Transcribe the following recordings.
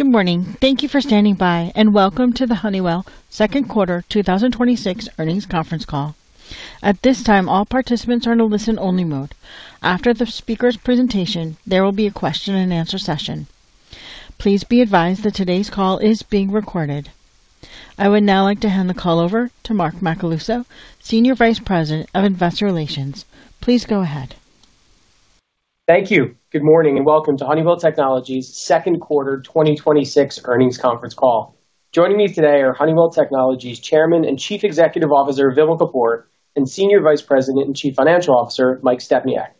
Good morning. Thank you for standing by, and welcome to the Honeywell second quarter 2026 earnings conference call. At this time, all participants are in a listen-only mode. After the speaker's presentation, there will be a question and answer session. Please be advised that today's call is being recorded. I would now like to hand the call over to Mark Macaluso, Senior Vice President of Investor Relations. Please go ahead. Thank you. Good morning, and welcome to Honeywell Technologies second quarter 2026 earnings conference call. Joining me today are Honeywell Technologies Chairman and Chief Executive Officer, Vimal Kapur, and Senior Vice President and Chief Financial Officer, Mike Stepniak.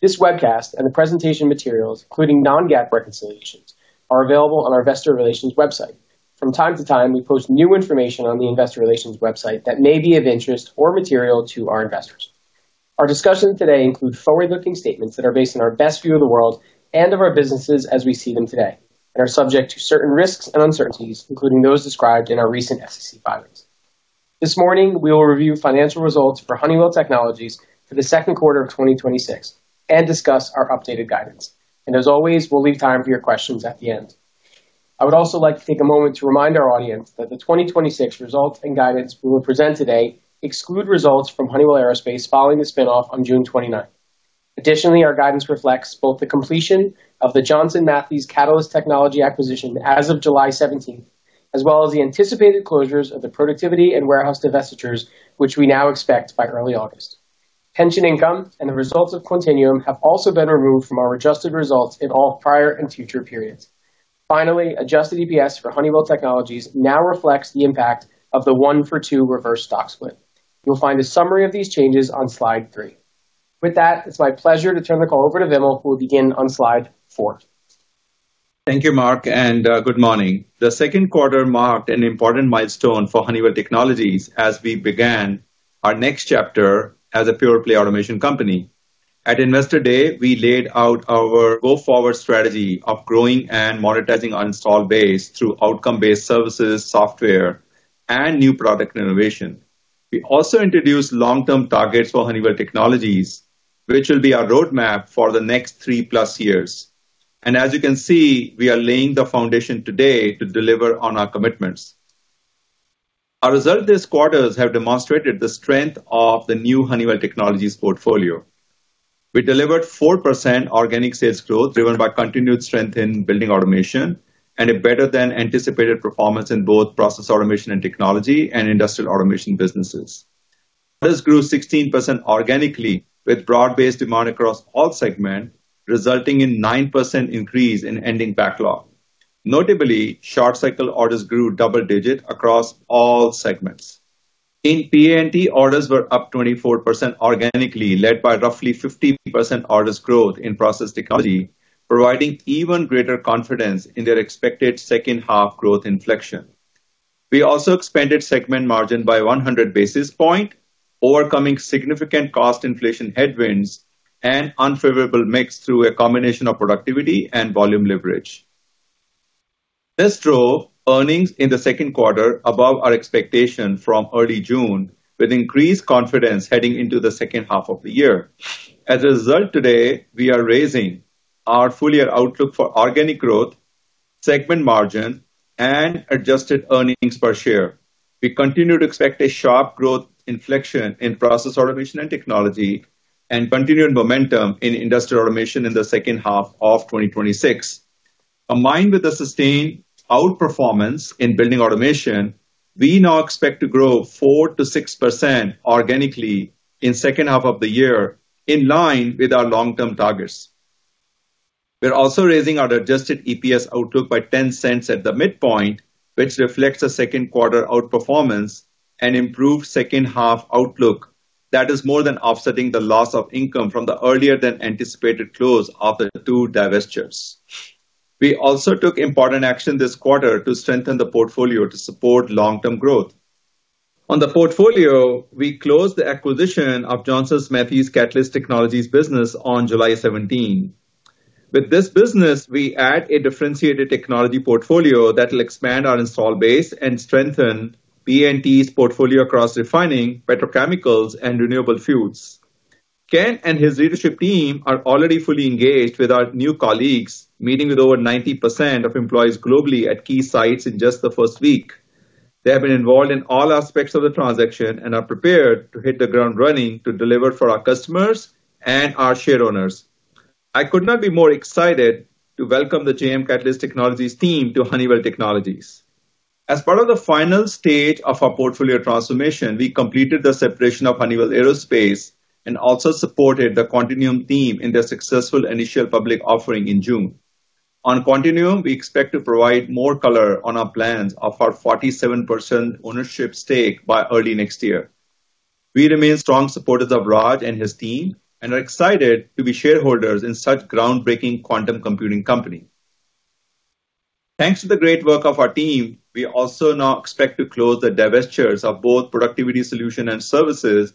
This webcast and the presentation materials, including non-GAAP reconciliations, are available on our investor relations website. From time to time, we post new information on the investor relations website that may be of interest or material to our investors. Our discussion today include forward-looking statements that are based on our best view of the world and of our businesses as we see them today and are subject to certain risks and uncertainties, including those described in our recent SEC filings. This morning, we will review financial results for Honeywell Technologies for the second quarter of 2026 and discuss our updated guidance. As always, we'll leave time for your questions at the end. I would also like to take a moment to remind our audience that the 2026 results and guidance we will present today exclude results from Honeywell Aerospace following the spin-off on June 29th. Additionally, our guidance reflects both the completion of the Johnson Matthey Catalyst Technologies acquisition as of July 17th, as well as the anticipated closures of the productivity and warehouse divestitures, which we now expect by early August. Pension income and the results of Quantinuum have also been removed from our adjusted results in all prior and future periods. Finally, adjusted EPS for Honeywell Technologies now reflects the impact of the 1-for-2 reverse stock split. You'll find a summary of these changes on slide three. With that, it's my pleasure to turn the call over to Vimal, who will begin on slide four. Thank you, Mark. Good morning. The second quarter marked an important milestone for Honeywell Technologies as we began our next chapter as a pure-play automation company. At Investor Day, we laid out our go-forward strategy of growing and monetizing installed base through outcome-based services, software, and new product innovation. We also introduced long-term targets for Honeywell Technologies, which will be our roadmap for the next three-plus years. As you can see, we are laying the foundation today to deliver on our commitments. Our results this quarter have demonstrated the strength of the new Honeywell Technologies portfolio. We delivered 4% organic sales growth driven by continued strength in Building Automation and a better than anticipated performance in both Process Automation and Technology and Industrial Automation businesses. Orders grew 16% organically with broad-based demand across all segments, resulting in 9% increase in ending backlog. Notably, short-cycle orders grew double-digit across all segments. In PAT, orders were up 24% organically, led by roughly 50% orders growth in process technology, providing even greater confidence in their expected second half growth inflection. We also expanded segment margin by 100 basis points, overcoming significant cost inflation headwinds and unfavorable mix through a combination of productivity and volume leverage. This drove earnings in the second quarter above our expectation from early June, with increased confidence heading into the second half of the year. As a result, today, we are raising our full-year outlook for organic growth, segment margin, and adjusted earnings per share. We continue to expect a sharp growth inflection in Process Automation and Technology and continuing momentum in Industrial Automation in the second half of 2026. Combined with the sustained outperformance in Building Automation, we now expect to grow 4%-6% organically in second half of the year, in line with our long-term targets. We're also raising our adjusted EPS outlook by $0.10 at the midpoint, which reflects a second quarter outperformance and improved second half outlook that is more than offsetting the loss of income from the earlier than anticipated close of the two divestitures. We also took important action this quarter to strengthen the portfolio to support long-term growth. On the portfolio, we closed the acquisition of Johnson Matthey Catalyst Technologies business on July 17. With this business, we add a differentiated technology portfolio that'll expand our installed base and strengthen PAT's portfolio across refining, petrochemicals, and renewable fuels. Ken and his leadership team are already fully engaged with our new colleagues, meeting with over 90% of employees globally at key sites in just the first week. They have been involved in all aspects of the transaction and are prepared to hit the ground running to deliver for our customers and our shareowners. I could not be more excited to welcome the JM Catalyst Technologies team to Honeywell Technologies. As part of the final stage of our portfolio transformation, we completed the separation of Honeywell Aerospace and also supported the Quantinuum team in their successful initial public offering in June. On Quantinuum, we expect to provide more color on our plans of our 47% ownership stake by early next year. We remain strong supporters of Raj and his team and are excited to be shareholders in such groundbreaking quantum computing company. Thanks to the great work of our team, we also now expect to close the divestitures of both Productivity Solutions and Services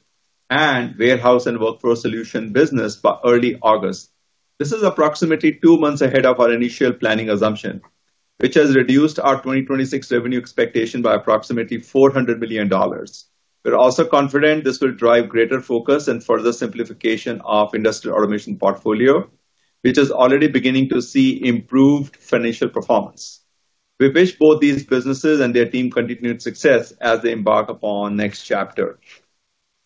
and Warehouse and Workflow Solutions business by early August. This is approximately two months ahead of our initial planning assumption, which has reduced our 2026 revenue expectation by approximately $400 million. We're also confident this will drive greater focus and further simplification of Industrial Automation portfolio, which is already beginning to see improved financial performance. We wish both these businesses and their team continued success as they embark upon next chapter.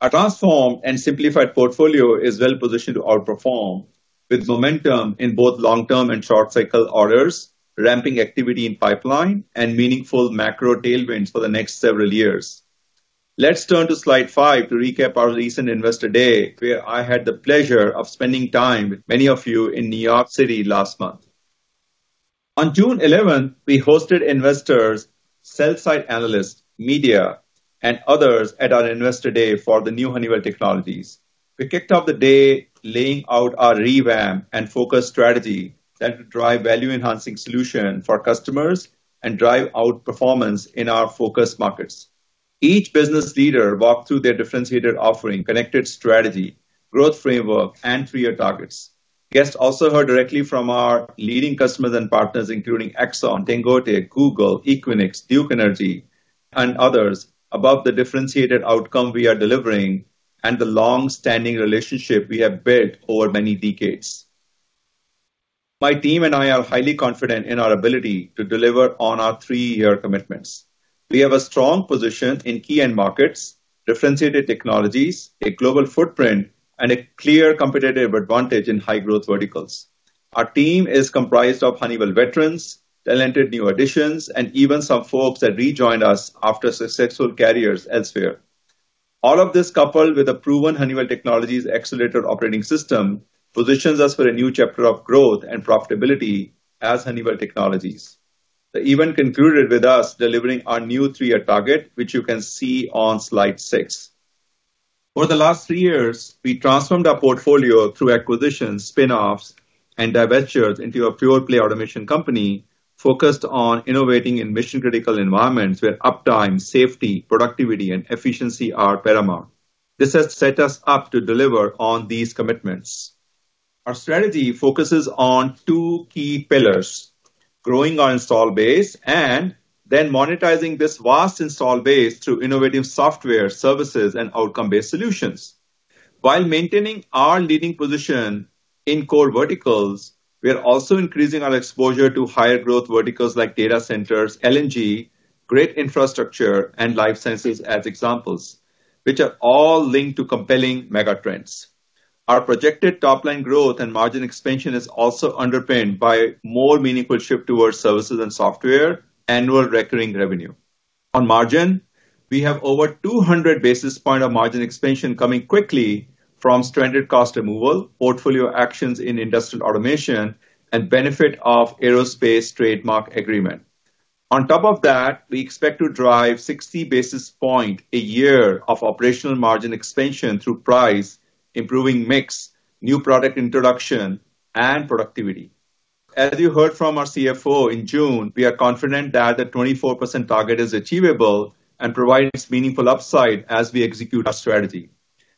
Our transformed and simplified portfolio is well-positioned to outperform with momentum in both long-term and short-cycle orders, ramping activity in pipeline, and meaningful macro tailwinds for the next several years. Let's turn to slide five to recap our recent Investor Day, where I had the pleasure of spending time with many of you in New York City last month. On June 11th, we hosted investors, sell-side analysts, media, and others at our Investor Day for the new Honeywell Technologies. We kicked off the day laying out our revamp and focus strategy that will drive value-enhancing solution for customers and drive out performance in our focus markets. Each business leader walked through their differentiated offering, connected strategy, growth framework, and three-year targets. Guests also heard directly from our leading customers and partners, including Exxon, Dangote, Google, Equinix, Duke Energy, and others about the differentiated outcome we are delivering and the long-standing relationship we have built over many decades. My team and I are highly confident in our ability to deliver on our three-year commitments. We have a strong position in key end markets, differentiated technologies, a global footprint, and a clear competitive advantage in high-growth verticals. Our team is comprised of Honeywell veterans, talented new additions, and even some folks that rejoined us after successful careers elsewhere. All of this, coupled with a proven Honeywell Technologies Accelerator operating system, positions us for a new chapter of growth and profitability as Honeywell Technologies. The event concluded with us delivering our new three-year target, which you can see on slide six. Over the last three years, we transformed our portfolio through acquisitions, spin-offs, and divestitures into a pure-play automation company focused on innovating in mission-critical environments where uptime, safety, productivity, and efficiency are paramount. This has set us up to deliver on these commitments. Our strategy focuses on two key pillars, growing our install base, and then monetizing this vast install base through innovative software, services, and outcome-based solutions. While maintaining our leading position in core verticals, we are also increasing our exposure to higher growth verticals like data centers, LNG, grid infrastructure, and life sciences as examples, which are all linked to compelling mega trends. Our projected top-line growth and margin expansion is also underpinned by more meaningful shift towards services and software, annual recurring revenue. On margin, we have over 200 basis points of margin expansion coming quickly from stranded cost removal, portfolio actions in Industrial Automation, and benefit of aerospace trademark agreement. On top of that, we expect to drive 60 basis points a year of operational margin expansion through price, improving mix, new product introduction, and productivity. As you heard from our CFO in June, we are confident that the 24% target is achievable and provides meaningful upside as we execute our strategy.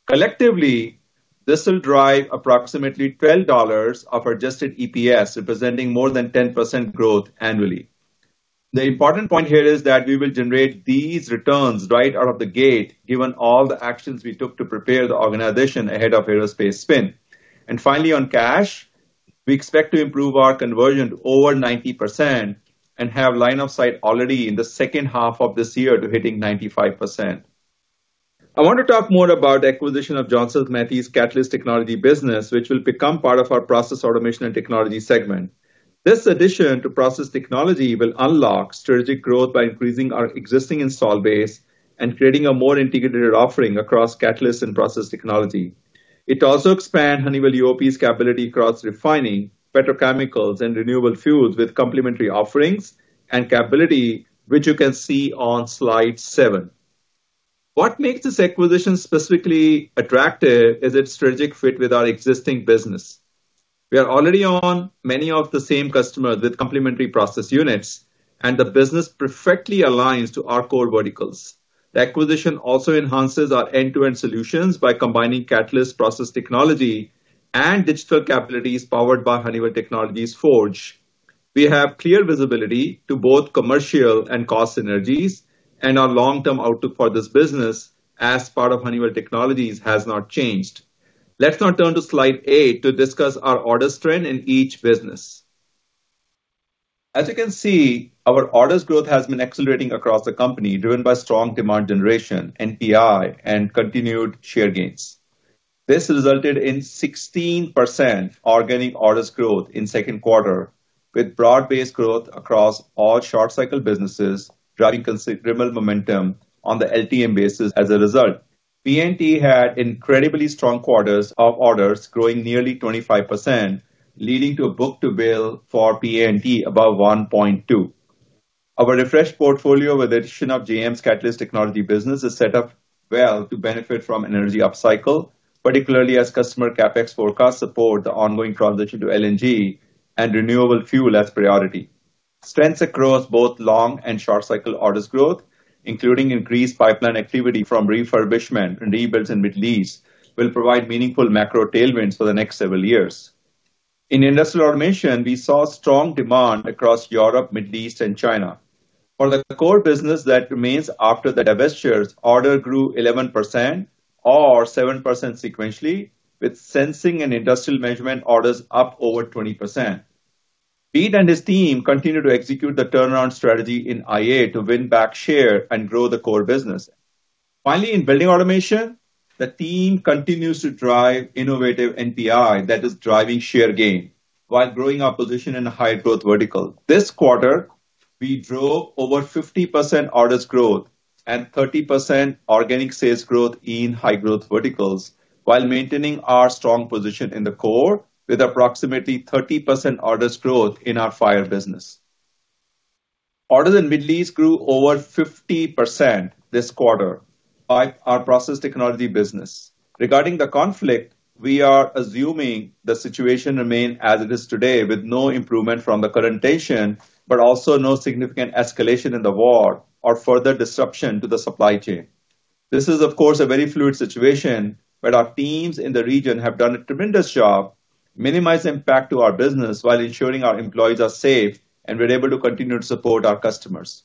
Collectively, this will drive approximately $12 of adjusted EPS, representing more than 10% growth annually. The important point here is that we will generate these returns right out of the gate given all the actions we took to prepare the organization ahead of aerospace spin. And finally, on cash, we expect to improve our conversion to over 90% and have line of sight already in the second half of this year to hitting 95%. I want to talk more about acquisition of Johnson Matthey Catalyst Technologies business, which will become part of our Process Automation and Technology segment. This addition to Process Technology will unlock strategic growth by increasing our existing install base and creating a more integrated offering across Catalyst and Process Technology. It also expand Honeywell UOP's capability across refining petrochemicals and renewable fuels with complementary offerings and capability, which you can see on slide seven. What makes this acquisition specifically attractive is its strategic fit with our existing business. We are already on many of the same customer with complementary process units, and the business perfectly aligns to our core verticals. The acquisition also enhances our end-to-end solutions by combining Catalyst Process Technology and digital capabilities powered by Honeywell Technologies Forge. We have clear visibility to both commercial and cost synergies and our long-term outlook for this business as part of Honeywell Technologies has not changed. Let's now turn to slide eight to discuss our order strength in each business. As you can see, our orders growth has been accelerating across the company, driven by strong demand generation, NPI, and continued share gains. This resulted in 16% organic orders growth in second quarter, with broad-based growth across all short-cycle businesses, driving considerable momentum on the LTM basis as a result. PA&T had incredibly strong quarters of orders growing nearly 25%, leading to a book-to-bill for PA&T above 1.2. Our refreshed portfolio with the addition of Johnson Matthey Catalyst Technologies business is set up well to benefit from an energy upcycle, particularly as customer CapEx forecasts support the ongoing transition to LNG and renewable fuel as priority. Strength across both long and short-cycle orders growth, including increased pipeline activity from refurbishment, rebuilds, and mid-lease, will provide meaningful macro tailwinds for the next several years. In Industrial Automation, we saw strong demand across Europe, Middle East, and China. For the core business that remains after the divestitures, order grew 11% or 7% sequentially, with sensing and industrial measurement orders up over 20%. Pete and his team continue to execute the turnaround strategy in IA to win back share and grow the core business. Finally, in Building Automation, the team continues to drive innovative NPI that is driving share gain, while growing our position in a high-growth vertical. This quarter, we drove over 50% orders growth and 30% organic sales growth in high-growth verticals while maintaining our strong position in the core with approximately 30% orders growth in our fire business. Orders in Middle East grew over 50% this quarter by our Process Technology business. Regarding the conflict, we are assuming the situation remain as it is today with no improvement from the current tension, but also no significant escalation in the war or further disruption to the supply chain. This is, of course, a very fluid situation, but our teams in the region have done a tremendous job minimizing impact to our business while ensuring our employees are safe and we're able to continue to support our customers.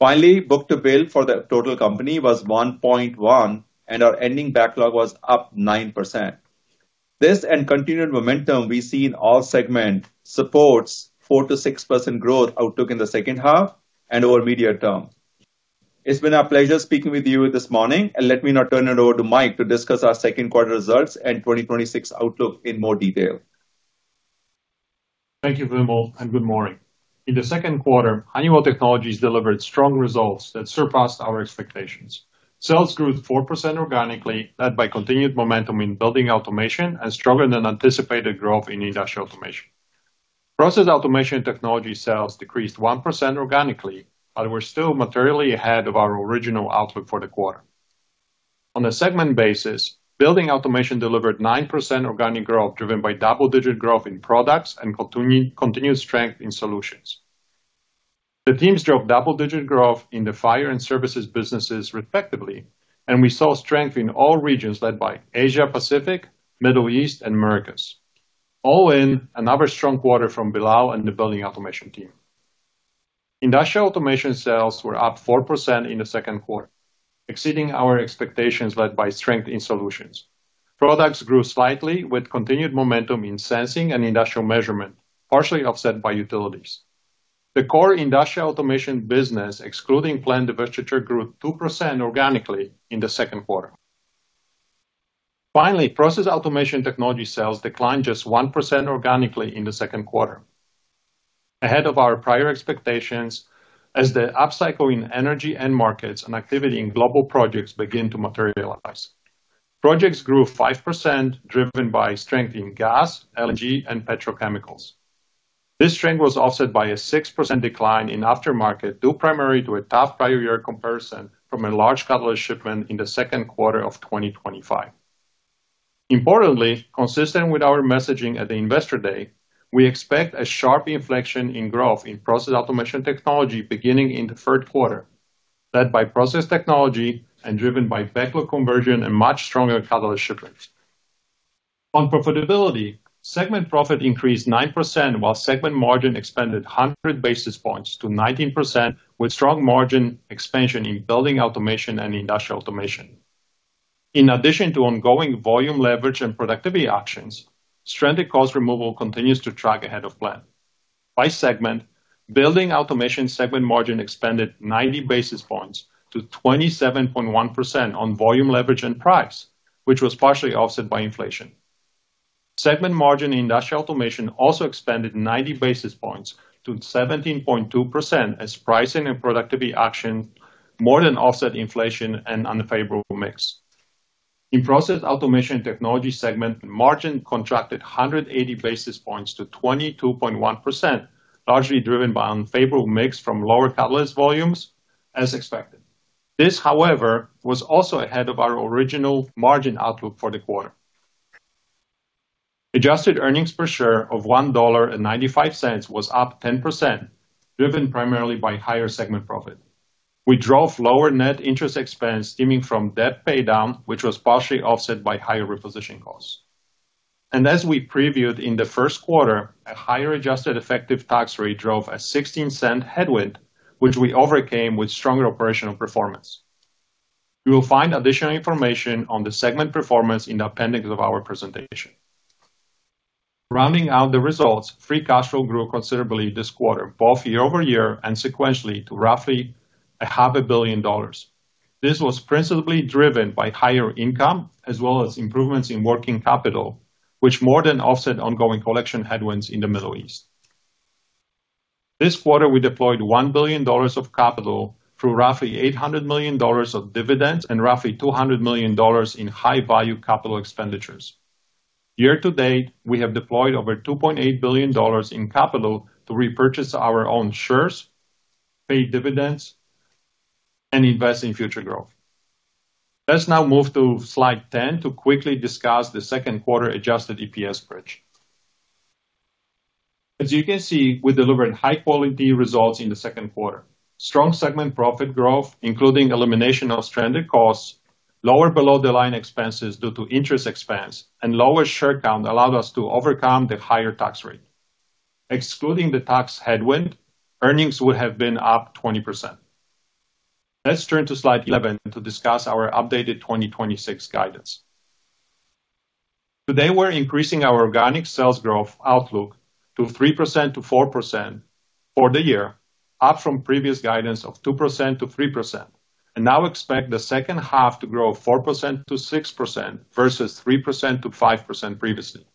Finally, book-to-bill for the total company was 1.1, and our ending backlog was up 9%. This and continued momentum we see in all segment supports 4%-6% growth outlook in the second half and over medium term. It's been our pleasure speaking with you this morning, and let me now turn it over to Mike to discuss our second quarter results and 2026 outlook in more detail. Thank you, Vimal, and good morning. In the second quarter, Honeywell Technologies delivered strong results that surpassed our expectations. Sales grew 4% organically, led by continued momentum in Building Automation and stronger than anticipated growth in Industrial Automation. Process Automation Technology sales decreased 1% organically, but we're still materially ahead of our original outlook for the quarter. On a segment basis, Building Automation delivered 9% organic growth, driven by double-digit growth in products and continued strength in solutions. The teams drove double-digit growth in the fire and services businesses, respectively, and we saw strength in all regions led by Asia Pacific, Middle East, and Americas. All in, another strong quarter from Billal and the Building Automation team. Industrial Automation sales were up 4% in the second quarter, exceeding our expectations led by strength in solutions. Products grew slightly with continued momentum in sensing and industrial measurement, partially offset by utilities. The core Industrial Automation business, excluding planned divestiture, grew 2% organically in the second quarter. Process Automation Technology sales declined just 1% organically in the second quarter. Ahead of our prior expectations, as the upcycle in energy end markets and activity in global projects begin to materialize. Projects grew 5%, driven by strength in gas, LNG, and petrochemicals. This strength was offset by a 6% decline in aftermarket, due primarily to a tough prior year comparison from a large catalyst shipment in the second quarter of 2025. Consistent with our messaging at the Investor Day, we expect a sharp inflection in growth in Process Automation Technology beginning in the third quarter, led by process technology and driven by backlog conversion and much stronger catalyst shipments. On profitability, segment profit increased 9%, while segment margin expanded 100 basis points to 19%, with strong margin expansion in Building Automation and Industrial Automation. In addition to ongoing volume leverage and productivity actions, stranded cost removal continues to track ahead of plan. Building Automation segment margin expanded 90 basis points to 27.1% on volume leverage and price, which was partially offset by inflation. Segment margin in Industrial Automation also expanded 90 basis points to 17.2% as pricing and productivity action more than offset inflation and unfavorable mix. In Process Automation Technology segment, margin contracted 180 basis points to 22.1%, largely driven by unfavorable mix from lower catalyst volumes as expected. This, however, was also ahead of our original margin outlook for the quarter. Adjusted earnings per share of $1.95 was up 10%, driven primarily by higher segment profit. We drove lower net interest expense stemming from debt paydown, which was partially offset by higher reposition costs. As we previewed in the first quarter, a higher adjusted effective tax rate drove a $0.16 headwind, which we overcame with stronger operational performance. You will find additional information on the segment performance in the appendix of our presentation. Rounding out the results, free cash flow grew considerably this quarter, both year-over-year and sequentially to roughly $500 million. This was principally driven by higher income as well as improvements in working capital, which more than offset ongoing collection headwinds in the Middle East. This quarter, we deployed $1 billion of capital through roughly $800 million of dividends and roughly $200 million in high-value capital expenditures. Year to date, we have deployed over $2.8 billion in capital to repurchase our own shares, pay dividends, and invest in future growth. Let's now move to slide 10 to quickly discuss the second quarter adjusted EPS bridge. As you can see, we delivered high-quality results in the second quarter. Strong segment profit growth, including elimination of stranded costs, lower below-the-line expenses due to interest expense, and lower share count allowed us to overcome the higher tax rate. Excluding the tax headwind, earnings would have been up 20%. Let's turn to slide 11 to discuss our updated 2026 guidance. Today, we're increasing our organic sales growth outlook to 3%-4% for the year, up from previous guidance of 2%-3%, and now expect the second half to grow 4%-6% versus 3%-5% previously.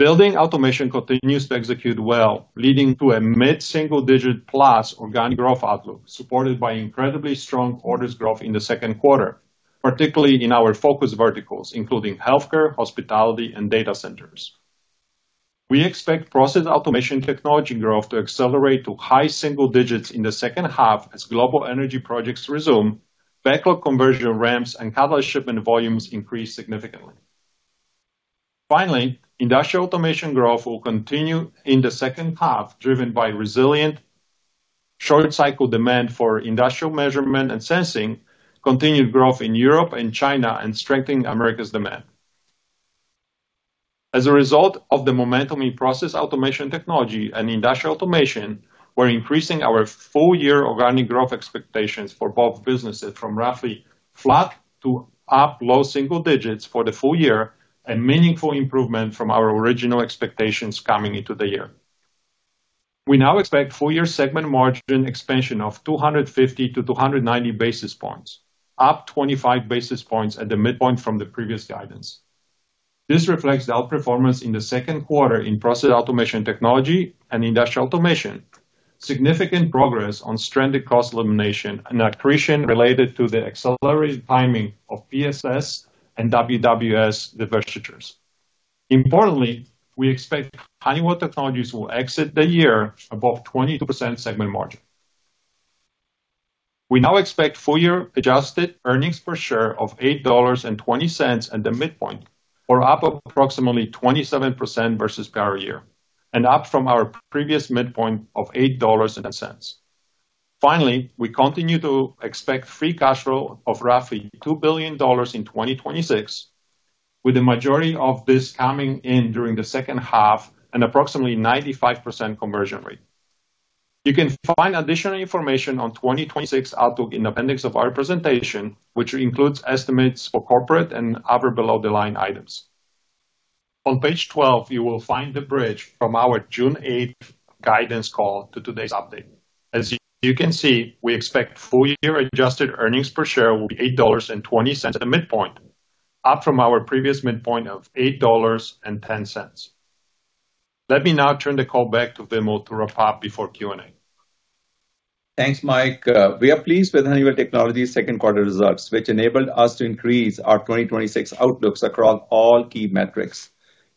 Building Automation continues to execute well, leading to a mid-single-digit plus organic growth outlook, supported by incredibly strong orders growth in the second quarter, particularly in our focus verticals, including healthcare, hospitality, and data centers. We expect Process Automation and Technology growth to accelerate to high single digits in the second half as global energy projects resume, backlog conversion ramps, and catalyst shipment volumes increase significantly. Finally, Industrial Automation growth will continue in the second half, driven by resilient short-cycle demand for industrial measurement and sensing, continued growth in Europe and China, and strengthening Americas demand. As a result of the momentum in Process Automation and Technology and Industrial Automation, we're increasing our full-year organic growth expectations for both businesses from roughly flat to up low single digits for the full year and meaningful improvement from our original expectations coming into the year. We now expect full-year segment margin expansion of 250-290 basis points, up 25 basis points at the midpoint from the previous guidance. This reflects the outperformance in the second quarter in Process Automation and Technology and Industrial Automation, significant progress on stranded cost elimination, and accretion related to the accelerated timing of PSS and WWS divestitures. Importantly, we expect Honeywell Technologies will exit the year above 22% segment margin. We now expect full-year adjusted earnings per share of $8.20 at the midpoint, or up approximately 27% versus prior year, and up from our previous midpoint of $8.10. Finally, we continue to expect free cash flow of roughly $2 billion in 2026, with the majority of this coming in during the second half and approximately 95% conversion rate. You can find additional information on 2026 outlook in appendix of our presentation, which includes estimates for corporate and other below-the-line items. On page 12, you will find the bridge from our June 8th guidance call to today's update. As you can see, we expect full-year adjusted earnings per share will be $8.20 at the midpoint, up from our previous midpoint of $8.10. Let me now turn the call back to Vimal to wrap up before Q&A. Thanks, Mike. We are pleased with Honeywell Technologies' second quarter results, which enabled us to increase our 2026 outlooks across all key metrics.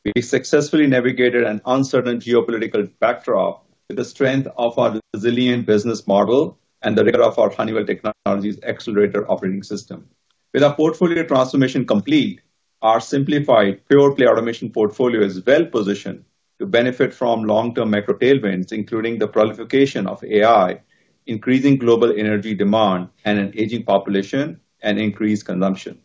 We successfully navigated an uncertain geopolitical backdrop with the strength of our resilient business model and the rigor of our Honeywell Technologies' Accelerator operating system. With our portfolio transformation complete, our simplified pure-play automation portfolio is well-positioned to benefit from long-term macro tailwinds, including the proliferation of AI, increasing global energy demand, and an aging population, and increased consumption.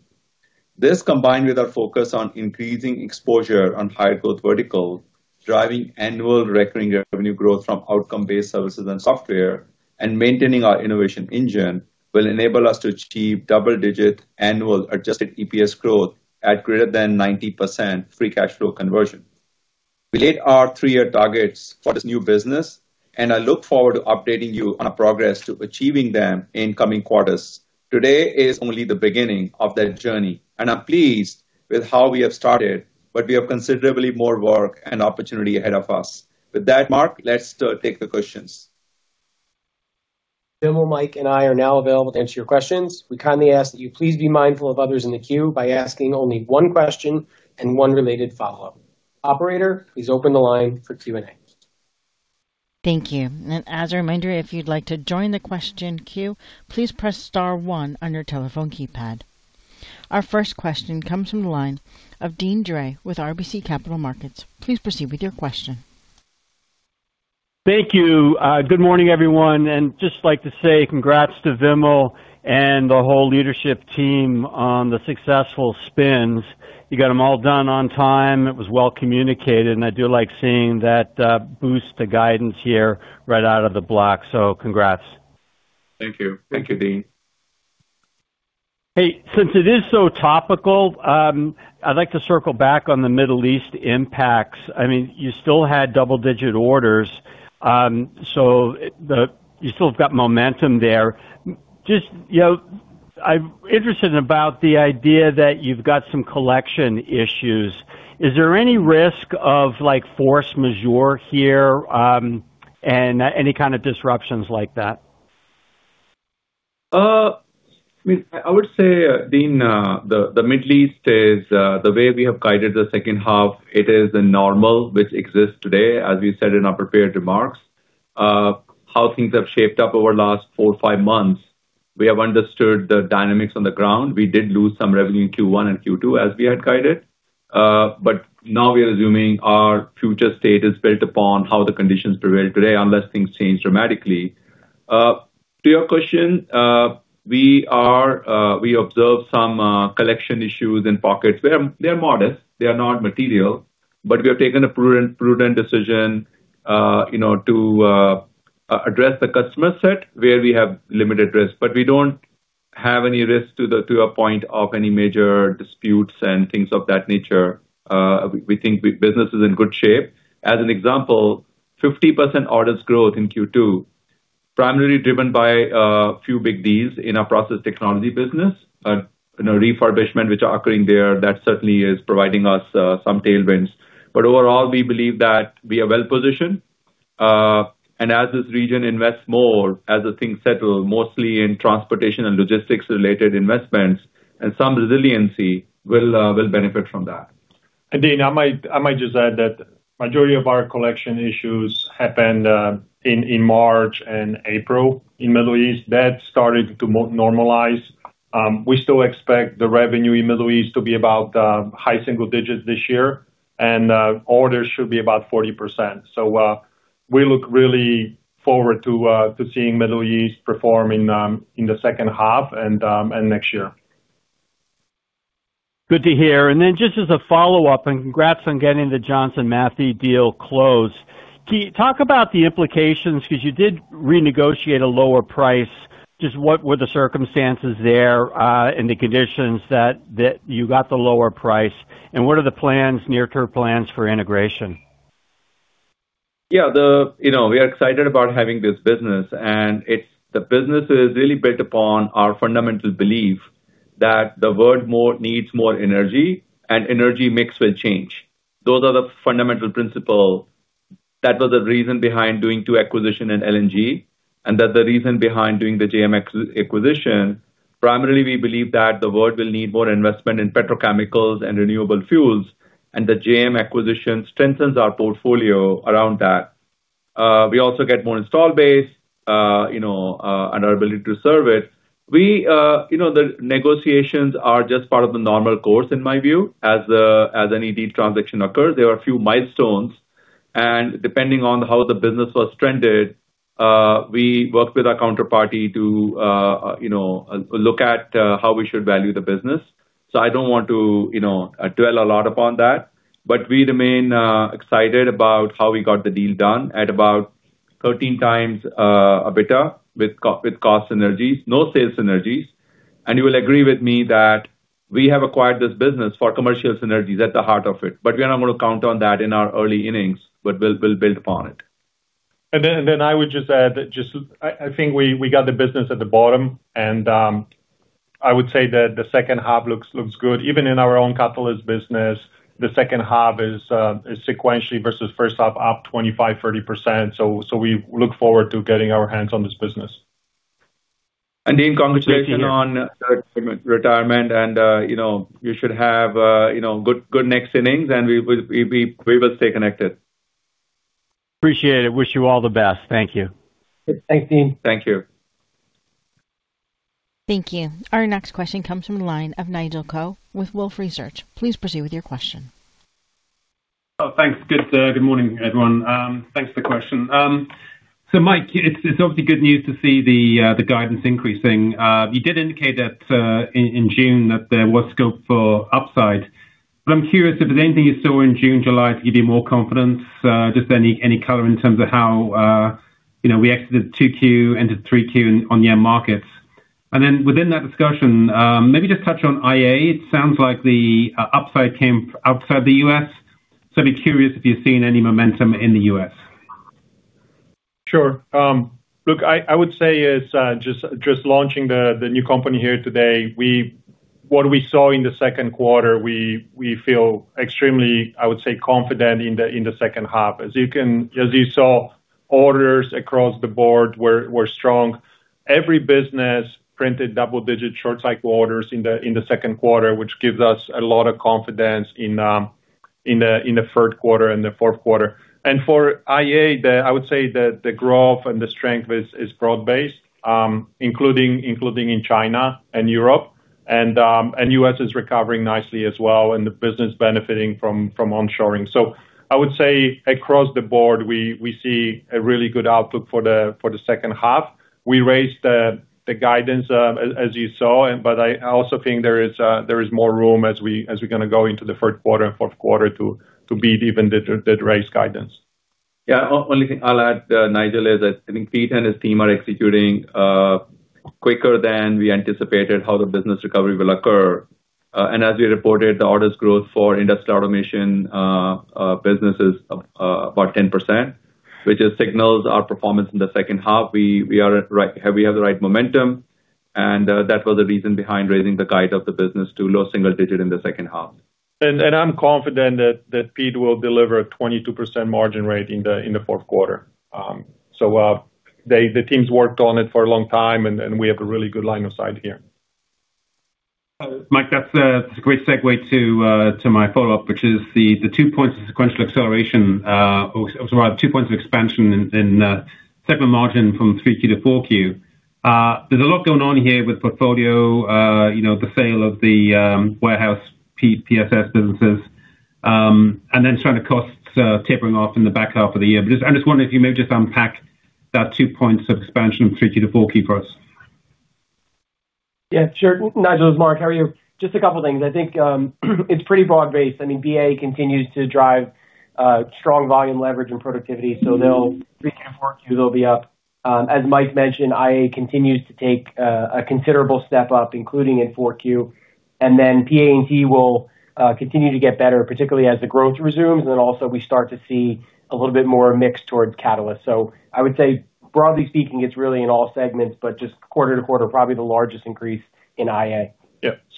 This, combined with our focus on increasing exposure on high-growth verticals, driving annual recurring revenue growth from outcome-based services and software, and maintaining our innovation engine, will enable us to achieve double-digit annual adjusted EPS growth at greater than 90% free cash flow conversion. We hit our three-year targets for this new business. I look forward to updating you on our progress to achieving them in coming quarters. Today is only the beginning of that journey. I'm pleased with how we have started, but we have considerably more work and opportunity ahead of us. With that, Mark, let's take the questions. Vimal, Mike, and I are now available to answer your questions. We kindly ask that you please be mindful of others in the queue by asking only one question and one related follow-up. Operator, please open the line for Q&A. Thank you. As a reminder, if you'd like to join the question queue, please press star one on your telephone keypad. Our first question comes from the line of Deane Dray with RBC Capital Markets. Please proceed with your question. Thank you. Good morning, everyone, just like to say congrats to Vimal and the whole leadership team on the successful spins. You got them all done on time. It was well communicated, I do like seeing that boost to guidance here right out of the block. Congrats. Thank you. Thank you, Deane. Hey, since it is so topical, I'd like to circle back on the Middle East impacts. You still had double-digit orders, you still have got momentum there. I'm interested about the idea that you've got some collection issues. Is there any risk of force majeure here, any kind of disruptions like that? I would say, Deane, the Middle East is, the way we have guided the second half, it is the normal which exists today, as we said in our prepared remarks. How things have shaped up over the last four or five months. We have understood the dynamics on the ground. We did lose some revenue in Q1 and Q2 as we had guided. Now we are assuming our future state is built upon how the conditions prevail today, unless things change dramatically. To your question, we observed some collection issues in pockets. They are modest, they are not material. We have taken a prudent decision to address the customer set where we have limited risk. We don't have any risk to a point of any major disputes and things of that nature. We think business is in good shape. As an example, 50% orders growth in Q2, primarily driven by a few big deals in our process technology business. In a refurbishment which are occurring there, that certainly is providing us some tailwinds. Overall, we believe that we are well-positioned. As this region invests more, as the things settle mostly in transportation and logistics-related investments, and some resiliency will benefit from that. Deane, I might just add that majority of our collection issues happened in March and April in Middle East. That started to normalize. We still expect the revenue in Middle East to be about high single digits this year, and orders should be about 40%. We look really forward to seeing Middle East perform in the second half and next year. Good to hear. Just as a follow-up, and congrats on getting the Johnson Matthey deal closed. Can you talk about the implications? You did renegotiate a lower price. What were the circumstances there, and the conditions that you got the lower price, and what are the near-term plans for integration? Yeah. We are excited about having this business, the business is really built upon our fundamental belief that the world needs more energy and energy mix will change. Those are the fundamental principles. That was the reason behind doing two acquisition in LNG, the reason behind doing the JMX acquisition, primarily, we believe that the world will need more investment in petrochemicals and renewable fuels, the JM acquisition strengthens our portfolio around that. We also get more install base, our ability to serve it. The negotiations are just part of the normal course in my view, as any deal transaction occurs. There are a few milestones, depending on how the business was trended, we worked with our counterparty to look at how we should value the business. I don't want to dwell a lot upon that, we remain excited about how we got the deal done at about 13x EBITDA with cost synergies, no sales synergies. You will agree with me that we have acquired this business for commercial synergies at the heart of it. We are not going to count on that in our early innings, we'll build upon it. I would just add that just I think we got the business at the bottom, I would say that the second half looks good. Even in our own catalyst business, the second half is sequentially versus first half up 25%-30%. We look forward to getting our hands on this business. Deane, congratulations on retirement and you should have good next innings and we will stay connected. Appreciate it. Wish you all the best. Thank you. Thanks, Deane. Thank you. Thank you. Our next question comes from the line of Nigel Coe with Wolfe Research. Please proceed with your question. Thanks. Good morning, everyone. Thanks for the question. Mike, it's obviously good news to see the guidance increasing. You did indicate in June that there was scope for upside, but I'm curious if there's anything you saw in June, July to give you more confidence, just any color in terms of how we exited 2Q into 3Q on the end markets. Then within that discussion, maybe just touch on IA. It sounds like the upside came outside the U.S. I'd be curious if you're seeing any momentum in the U.S. Sure. Look, I would say as just launching the new company here today, what we saw in the second quarter, we feel extremely, I would say, confident in the second half. As you saw, orders across the board were strong. Every business printed double-digit short-cycle orders in the second quarter, which gives us a lot of confidence in the third quarter and the fourth quarter. For IA, I would say the growth and the strength is broad-based, including in China and Europe. U.S. is recovering nicely as well, and the business benefiting from onshoring. I would say across the board, we see a really good outlook for the second half. We raised the guidance, as you saw, I also think there is more room as we're going to go into the third quarter and fourth quarter to beat even the raised guidance. Only thing I'll add, Nigel, is that I think Pete and his team are executing quicker than we anticipated how the business recovery will occur. As we reported, the orders growth for Industrial Automation business is about 10%, which just signals our performance in the second half. We have the right momentum, and that was the reason behind raising the guide of the business to low single digit in the second half. I'm confident that Pete will deliver a 22% margin rate in the fourth quarter. The team's worked on it for a long time, and we have a really good line of sight here. Mike, that's a great segue to my follow-up, which is the two points of sequential acceleration or sorry, two points of expansion in segment margin from 3Q to 4Q. There's a lot going on here with portfolio, the sale of the warehouse PSS businesses, and then sort of costs tapering off in the back half of the year. I'm just wondering if you may just unpack that two points of expansion from 3Q to 4Q for us. Yeah, sure. Nigel, it's Mark, how are you? Just a couple of things. I think it's pretty broad-based. I mean, BA continues to drive strong volume leverage and productivity. They'll reach their forecast, they'll be up. As Mike mentioned, IA continues to take a considerable step up, including in four Q. PA&T will continue to get better, particularly as the growth resumes, and then also we start to see a little bit more mix towards catalyst. I would say, broadly speaking, it's really in all segments, but just quarter to quarter, probably the largest increase in IA.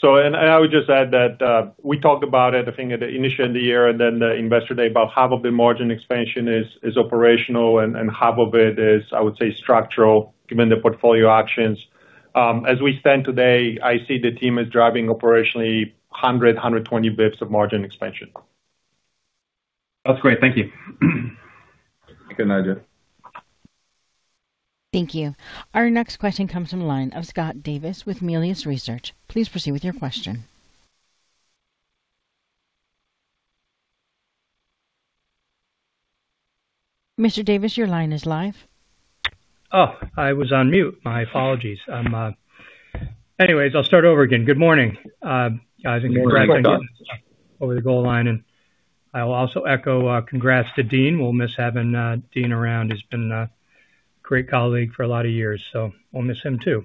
I would just add that, we talked about it, I think at the initial of the year and then the investor day, about half of the margin expansion is operational and half of it is, I would say, structural given the portfolio actions. As we stand today, I see the team is driving operationally 100, 120 basis points of margin expansion. That's great. Thank you. Thank you, Nigel. Thank you. Our next question comes from the line of Scott Davis with Melius Research. Please proceed with your question. Mr. Davis, your line is live. Oh, I was on mute. My apologies. Anyways, I'll start over again. Good morning. Good morning, Scott. Over the goal line, I will also echo congrats to Deane. We'll miss having Deane around. He's been a great colleague for a lot of years, so we'll miss him, too.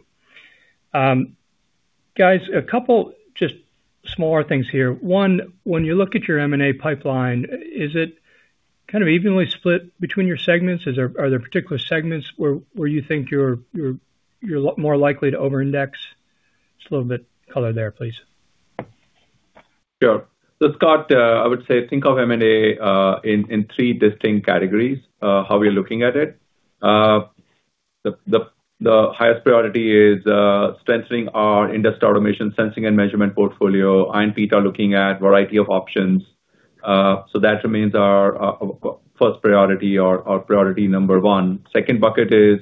Guys, a couple just smaller things here. One, when you look at your M&A pipeline, is it kind of evenly split between your segments? Are there particular segments where you think you're more likely to over-index? Just a little bit color there, please. Scott, I would say think of M&A in three distinct categories, how we are looking at it. The highest priority is strengthening our Industrial Automation sensing and measurement portfolio. Ian and Pete are looking at variety of options. That remains our first priority or our priority number 1. Second bucket is,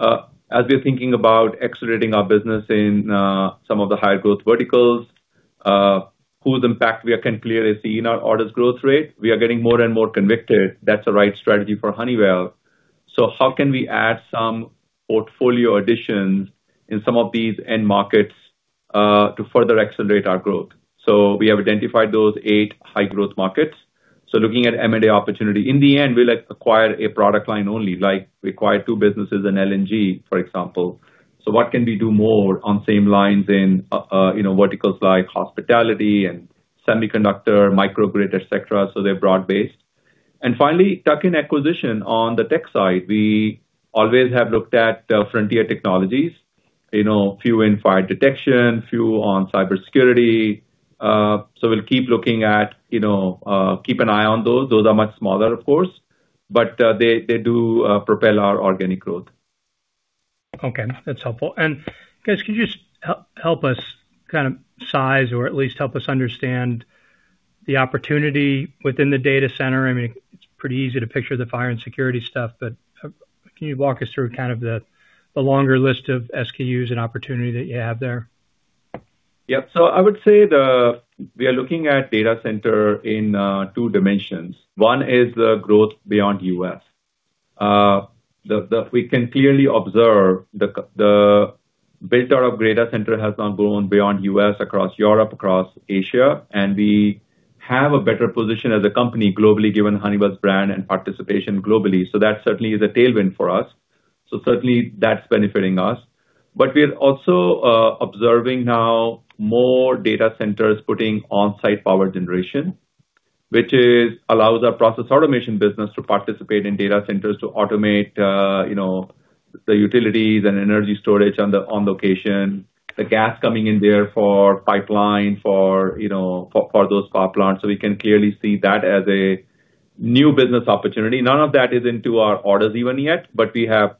as we are thinking about accelerating our business in some of the higher growth verticals, whose impact we are can clearly see in our orders growth rate. We are getting more and more convicted that's the right strategy for Honeywell. How can we add some portfolio additions in some of these end markets to further accelerate our growth? We have identified those eight high growth markets. Looking at M&A opportunity. In the end, we like acquire a product line only, like we acquired two businesses in LNG, for example. What can we do more on same lines in verticals like hospitality and semiconductor, microgrid, et cetera, so they're broad-based. Finally, tuck-in acquisition on the tech side, we always have looked at the frontier technologies, few in fire detection, few on cybersecurity. We'll keep looking at, keep an eye on those. Those are much smaller, of course. They do propel our organic growth. Okay. That's helpful. Guys, could you just help us kind of size or at least help us understand the opportunity within the data center? I mean, it's pretty easy to picture the fire and security stuff, can you walk us through kind of the longer list of SKUs and opportunity that you have there? Yeah. I would say we are looking at data center in two dimensions. One is the growth beyond U.S. That we can clearly observe the build out of data center has now grown beyond U.S., across Europe, across Asia, and we have a better position as a company globally given Honeywell's brand and participation globally. That certainly is a tailwind for us. Certainly that's benefiting us. We are also observing now more data centers putting on-site power generation, which allows our Process Automation business to participate in data centers to automate the utilities and energy storage on location, the gas coming in there for pipeline for those power plants. We can clearly see that as a new business opportunity. None of that is into our orders even yet, we have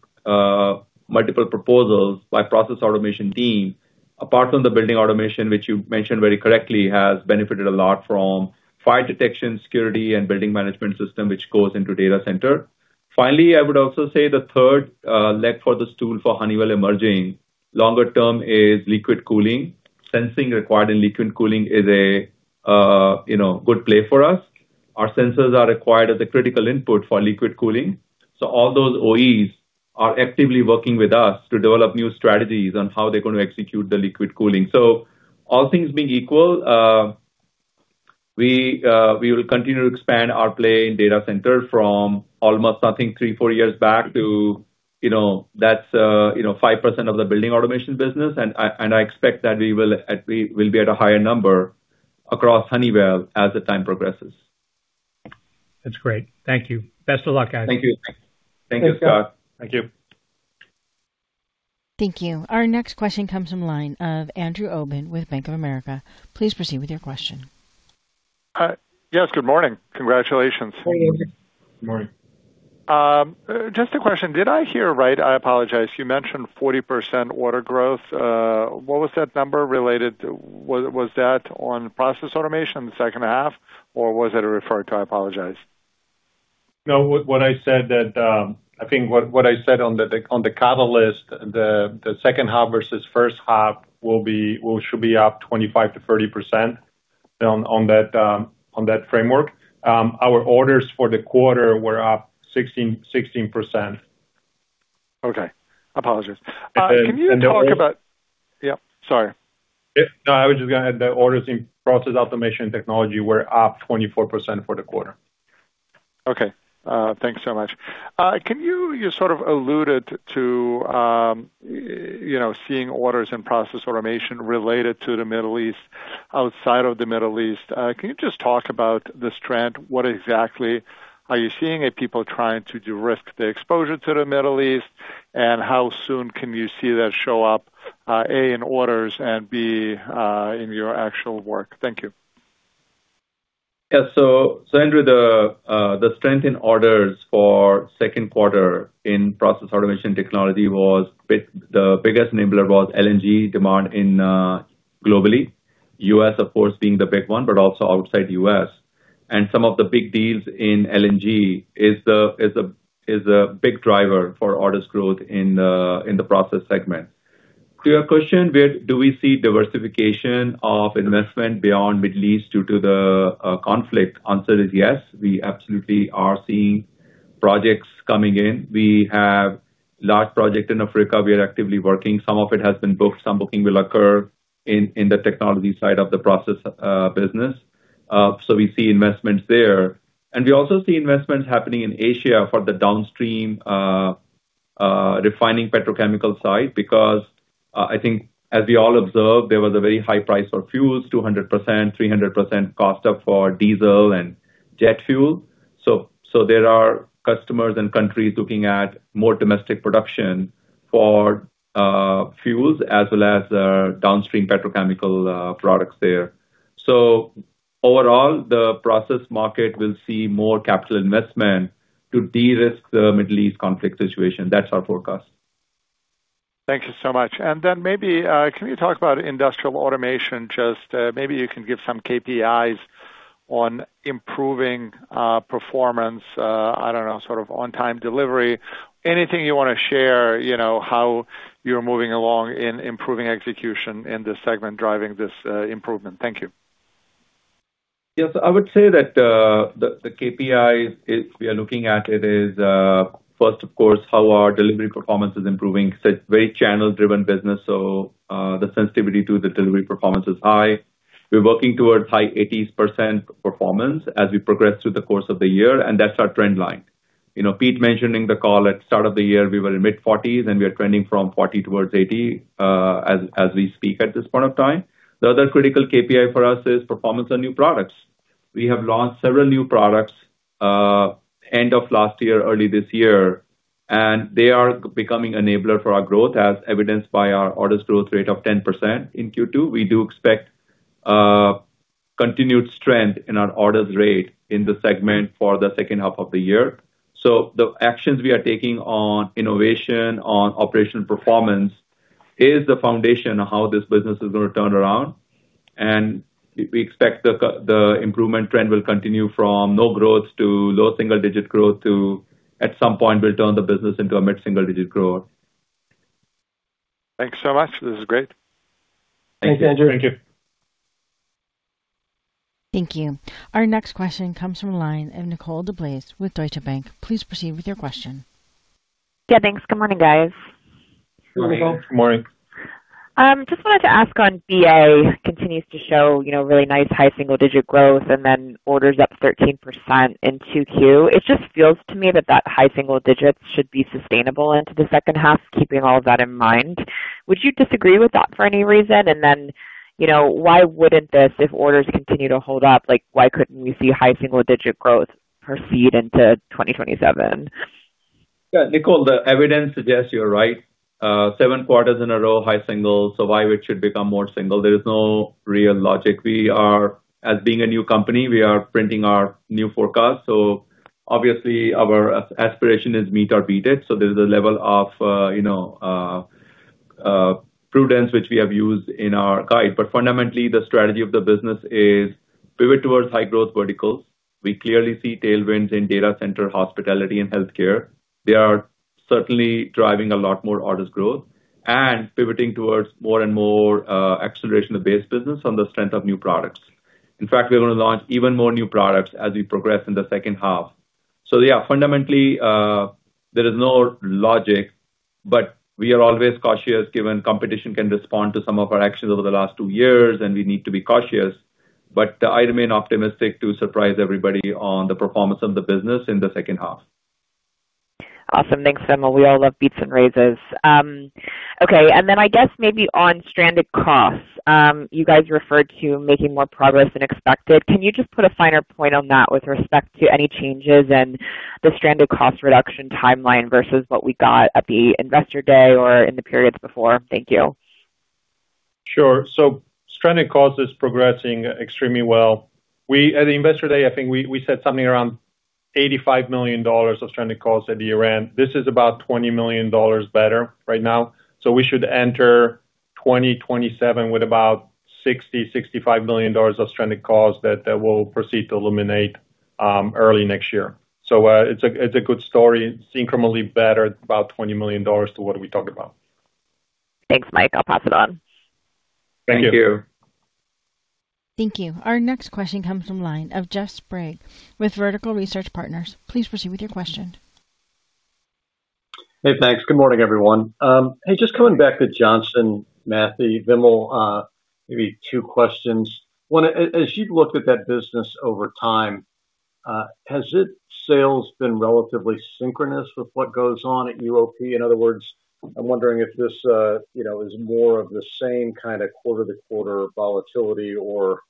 multiple proposals by Process Automation team, apart from the Building Automation, which you mentioned very correctly, has benefited a lot from fire detection, security, and building management system, which goes into data center. Finally, I would also say the third leg for the stool for Honeywell emerging longer term is liquid cooling. Sensing required in liquid cooling is a good play for us. Our sensors are required as a critical input for liquid cooling. All those OEs are actively working with us to develop new strategies on how they're going to execute the liquid cooling. All things being equal, we will continue to expand our play in data center from almost, I think three, four years back to that's 5% of the Building Automation business, I expect that we'll be at a higher number across Honeywell as the time progresses. That's great. Thank you. Best of luck, guys. Thank you. Thank you, Scott. Thank you. Thank you. Our next question comes from the line of Andrew Obin with Bank of America. Please proceed with your question. Yes, good morning. Congratulations. Morning. Morning. Just a question. Did I hear right? I apologize, you mentioned 40% order growth. What was that number related to? Was that on Process Automation in the second half, or was it a refer? I apologize. No. I think what I said on the catalyst, the second half versus first half should be up 25%-30% on that framework. Our orders for the quarter were up 16%. Okay. Apologies. And the- Can you talk about Yep, sorry. No, I was just going to the orders in Process Automation and Technology were up 24% for the quarter. Okay. Thanks so much. You sort of alluded to seeing orders in Process Automation related to the Middle East, outside of the Middle East. Can you just talk about this trend? What exactly are you seeing? Are people trying to de-risk the exposure to the Middle East, and how soon can you see that show up, A, in orders and, B, in your actual work? Thank you. Yeah. Andrew, the strength in orders for second quarter in Process Automation and Technology, the biggest enabler was LNG demand globally, U.S., of course, being the big one, but also outside U.S. Some of the big deals in LNG is a big driver for orders growth in the process segment. To your question, where do we see diversification of investment beyond Middle East due to the conflict? Answer is yes. We absolutely are seeing projects coming in. We have large project in Africa we are actively working. Some of it has been booked. Some booking will occur in the technology side of the process business. We see investments there. We also see investments happening in Asia for the downstream refining petrochemical side because, I think as we all observed, there was a very high price for fuels, 200%, 300% cost up for diesel and jet fuel. There are customers and countries looking at more domestic production for fuels as well as downstream petrochemical products there. Overall, the process market will see more capital investment to de-risk the Middle East conflict situation. That's our forecast. Thank you so much. Maybe, can you talk about Industrial Automation? Just maybe you can give some KPIs on improving performance, I don't know, sort of on time delivery. Anything you want to share, how you're moving along in improving execution in this segment, driving this improvement. Thank you. Yes. I would say that, the KPIs we are looking at it is, first of course, how our delivery performance is improving. It's very channel-driven business. The sensitivity to the delivery performance is high. We're working towards high 80% performance as we progress through the course of the year, and that's our trend line. Pete mentioning the call at start of the year, we were in mid-40s, and we are trending from 40 towards 80, as we speak at this point of time. The other critical KPI for us is performance on new products. We have launched several new products end of last year, early this year, and they are becoming enabler for our growth as evidenced by our orders growth rate of 10% in Q2. We do expect continued strength in our orders rate in the segment for the second half of the year. The actions we are taking on innovation, on operational performance is the foundation of how this business is going to turn around. We expect the improvement trend will continue from no growth to low single-digit growth to, at some point, we'll turn the business into a mid-single digit growth. Thanks so much. This is great. Thank you. Thanks, Andrew. Thank you. Thank you. Our next question comes from line of Nicole DeBlase with Deutsche Bank. Please proceed with your question. Yeah, thanks. Good morning, guys. Morning. Morning. Just wanted to ask on BA continues to show really nice high single-digit growth and orders up 13% in 2Q. It just feels to me that that high single digits should be sustainable into the second half, keeping all of that in mind. Would you disagree with that for any reason? Why wouldn't this, if orders continue to hold up, why couldn't we see high single-digit growth proceed into 2027? Yeah, Nicole, the evidence suggests you're right. Seven quarters in a row, high single, why it should become more single? There is no real logic. As being a new company, we are printing our new forecast. Obviously our aspiration is meet or beat it, so there's a level of prudence which we have used in our guide. Fundamentally, the strategy of the business is pivot towards high-growth verticals. We clearly see tailwinds in data center, hospitality and healthcare. They are certainly driving a lot more orders growth and pivoting towards more and more acceleration of base business on the strength of new products. In fact, we're going to launch even more new products as we progress in the second half. Yeah, fundamentally, there is no logic, but we are always cautious given competition can respond to some of our actions over the last two years, and we need to be cautious. I remain optimistic to surprise everybody on the performance of the business in the second half. Awesome. Thanks, Vimal. We all love beats and raises. Okay. I guess maybe on stranded costs. You guys referred to making more progress than expected. Can you just put a finer point on that with respect to any changes in the stranded cost reduction timeline versus what we got at the investor day or in the periods before? Thank you. Stranded cost is progressing extremely well. At the investor day, I think we said something around $85 million of stranded cost at the year-end. This is about $20 million better right now. We should enter 2027 with about $60 million-$65 million of stranded cost that we'll proceed to eliminate early next year. It's a good story. It's incrementally better, about $20 million to what we talked about. Thanks, Mike. I'll pass it on. Thank you. Thank you. Our next question comes from the line of Jeff Sprague with Vertical Research Partners. Please proceed with your question. Hey, thanks. Good morning, everyone. Hey, just coming back to Johnson Matthey, Vimal, maybe two questions. One, as you've looked at that business over time, has its sales been relatively synchronous with what goes on at UOP? In other words, I'm wondering if this is more of the same kind of quarter-to-quarter volatility or,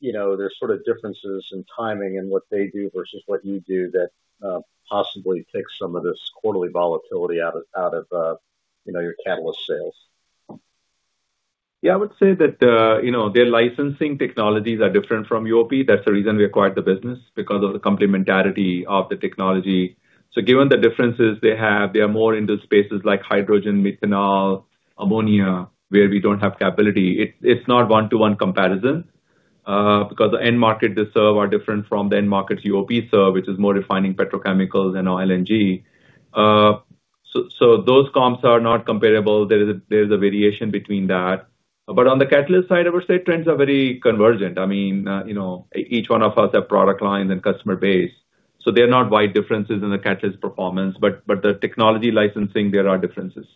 there's sort of differences in timing in what they do versus what you do that possibly takes some of this quarterly volatility out of your catalyst sales. Yeah, I would say that their licensing technologies are different from UOP. That's the reason we acquired the business, because of the complementarity of the technology. Given the differences they have, they are more into spaces like hydrogen, methanol, ammonia, where we don't have capability. It's not one-to-one comparison, because the end market they serve are different from the end markets UOP serve, which is more refining petrochemicals and oil and LNG. Those comps are not comparable. There's a variation between that. On the catalyst side, I would say trends are very convergent. Each one of us have product lines and customer base. They're not wide differences in the catalyst performance, but the technology licensing, there are differences.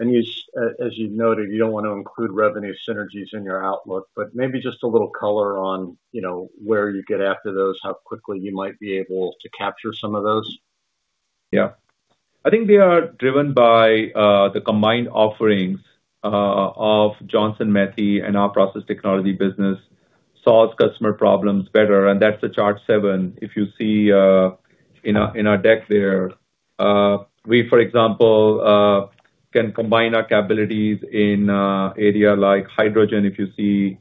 As you noted, you don't want to include revenue synergies in your outlook, but maybe just a little color on where you get after those, how quickly you might be able to capture some of those. Yeah. I think they are driven by the combined offerings of Johnson Matthey and our process technology business solves customer problems better, and that's the chart seven if you see in our deck there. We, for example, can combine our capabilities in area like hydrogen, if you see.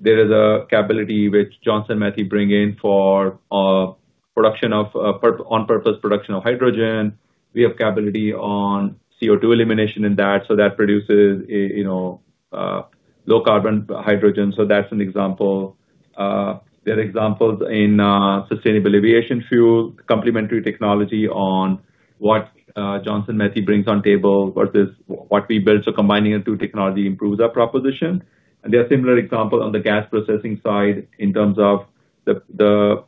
There is a capability which Johnson Matthey bring in for on-purpose production of hydrogen. We have capability on CO2 elimination in that produces low carbon hydrogen. That's an example. There are examples in sustainable aviation fuel, complementary technology on what Johnson Matthey brings on table versus what we build. Combining the two technology improves our proposition. There are similar example on the gas processing side in terms of the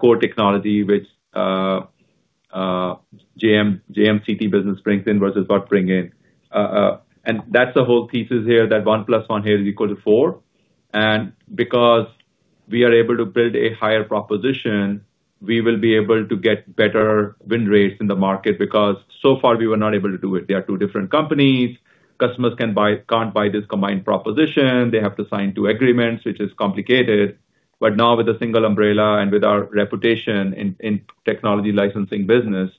core technology which JM CT business brings in versus what bring in. That's the whole pieces here, that 1 + 1 here is equal to 4. Because we are able to build a higher proposition, we will be able to get better win rates in the market, because so far we were not able to do it. They are two different companies. Customers can't buy this combined proposition. They have to sign two agreements, which is complicated. Now with a single umbrella and with our reputation in technology licensing business,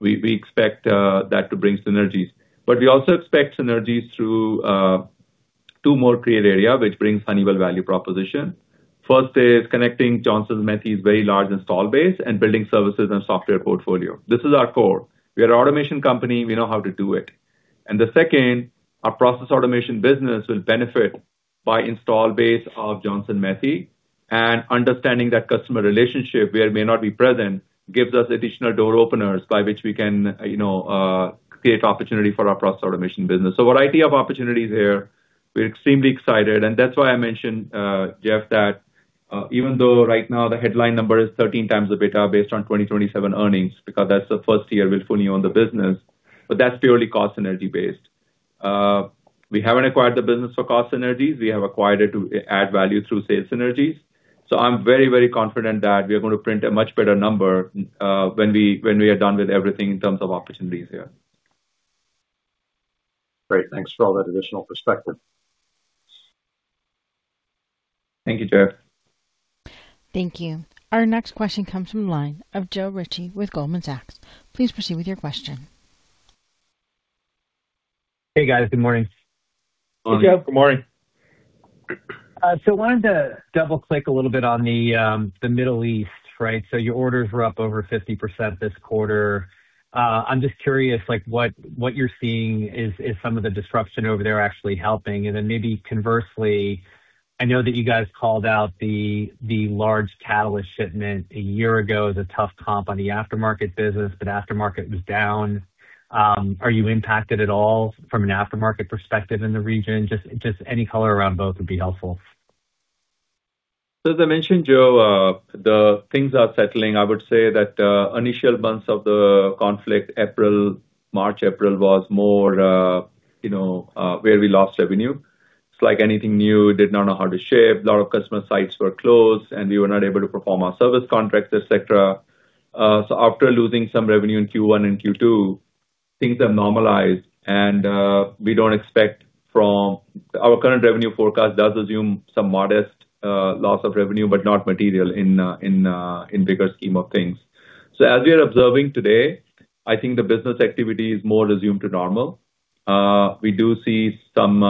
we expect that to bring synergies. We also expect synergies through two more clear area, which brings Honeywell value proposition. First is connecting Johnson Matthey very large install base and building services and software portfolio. This is our core. We are an automation company, we know how to do it. The second, our Process Automation business will benefit by install base of Johnson Matthey. Understanding that customer relationship where may not be present gives us additional door openers by which we can create opportunity for our Process Automation business. Variety of opportunities there. We're extremely excited, and that's why I mentioned, Jeff, that even though right now the headline number is 13x the EBITDA based on 2027 earnings, because that's the first year we'll fully own the business, but that's purely cost synergy based. We haven't acquired the business for cost synergies. We have acquired it to add value through sales synergies. I'm very confident that we are going to print a much better number when we are done with everything in terms of opportunities here. Great. Thanks for all that additional perspective. Thank you, Jeff. Thank you. Our next question comes from the line of Joe Ritchie with Goldman Sachs. Please proceed with your question. Hey, guys. Good morning. Good morning. Good morning. Wanted to double-click a little bit on the Middle East. Your orders were up over 50% this quarter. I am just curious, what you are seeing is some of the disruption over there actually helping? Maybe conversely, I know that you guys called out the large catalyst shipment a year ago as a tough comp on the aftermarket business, but aftermarket was down. Are you impacted at all from an aftermarket perspective in the region? Just any color around both would be helpful. As I mentioned, Joe, the things are settling. I would say that initial months of the conflict, March, April, was more where we lost revenue. It is like anything new, did not know how to ship, a lot of customer sites were closed, and we were not able to perform our service contracts, et cetera. After losing some revenue in Q1 and Q2, things are normalized, and we don't expect. Our current revenue forecast does assume some modest loss of revenue, but not material in bigger scheme of things. As we are observing today, I think the business activity is more resumed to normal. We do see some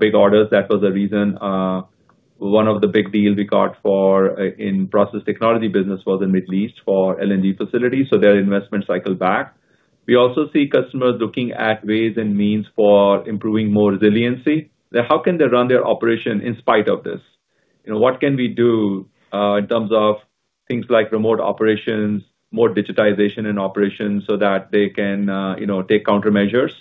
big orders. That was the reason one of the big deals we got in process technology business was in Middle East for LNG facilities. Their investment cycle back. We also see customers looking at ways and means for improving more resiliency. How can they run their operation in spite of this? What can we do in terms of things like remote operations, more digitization in operations so that they can take countermeasures?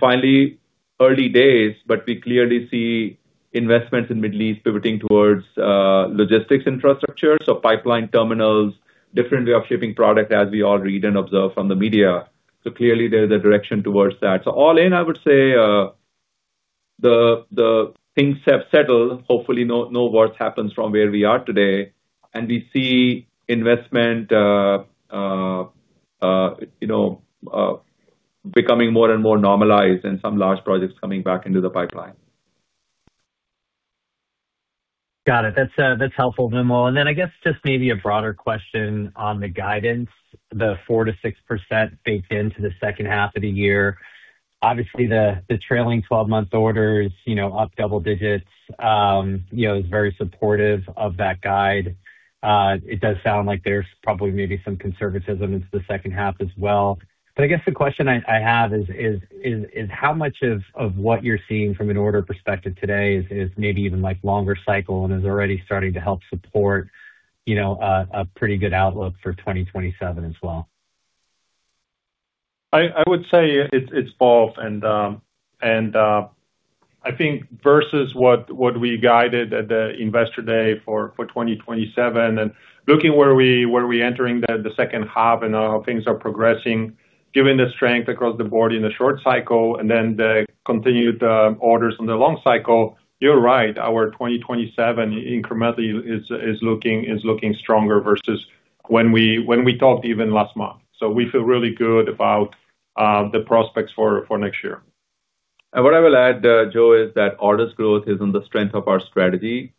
Finally, early days, but we clearly see investments in Middle East pivoting towards logistics infrastructure. Pipeline terminals, different way of shipping product as we all read and observe from the media. Clearly there is a direction towards that. All in, I would say, the things have settled. Hopefully no wars happens from where we are today, and we see investment becoming more and more normalized and some large projects coming back into the pipeline. Got it. That is helpful, Vimal. I guess just maybe a broader question on the guidance, the 4%-6% baked into the second half of the year. Obviously, the trailing 12-month orders up double-digits is very supportive of that guide. It does sound like there is probably maybe some conservatism into the second half as well. I guess the question I have is how much of what you are seeing from an order perspective today is maybe even longer cycle and is already starting to help support a pretty good outlook for 2027 as well? I would say it's both. I think versus what we guided at the Investor Day for 2027 and looking where we entering the second half and how things are progressing, given the strength across the board in the short cycle and then the continued orders on the long-cycle, you're right, our 2027 incrementally is looking stronger versus when we talked even last month. We feel really good about the prospects for next year. What I will add, Joe, is that orders growth is on the strength of our strategy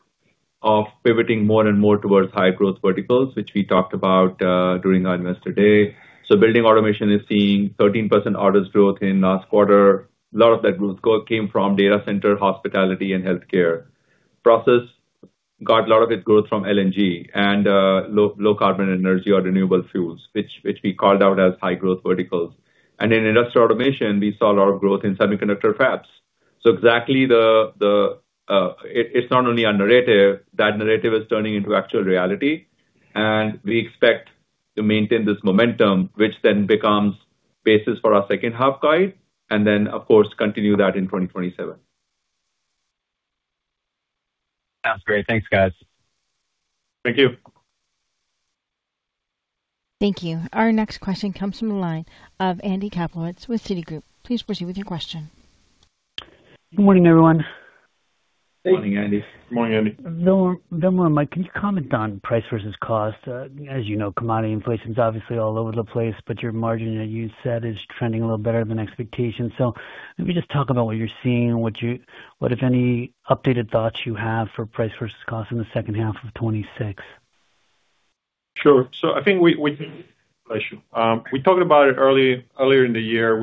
of pivoting more and more towards high-growth verticals, which we talked about during our Investor Day. Building Automation is seeing 13% orders growth in last quarter. A lot of that growth came from data center hospitality and healthcare. Process got a lot of its growth from LNG and low carbon energy or renewable fuels, which we called out as high-growth verticals. In Industrial Automation, we saw a lot of growth in semiconductor fabs. Exactly it's not only a narrative, that narrative is turning into actual reality, and we expect to maintain this momentum, which then becomes basis for our second half guide, and then of course, continue that in 2027. Sounds great. Thanks, guys. Thank you. Thank you. Our next question comes from the line of Andrew Kaplowitz with Citigroup. Please proceed with your question. Good morning, everyone. Morning, Andy. Morning, Andy. Vimal and Mike, can you comment on price versus cost? As you know, commodity inflation is obviously all over the place, but your margin, you said, is trending a little better than expectation. Let me just talk about what you're seeing and what, if any, updated thoughts you have for price versus cost in the second half of 2026. Sure. I think We talked about it earlier in the year.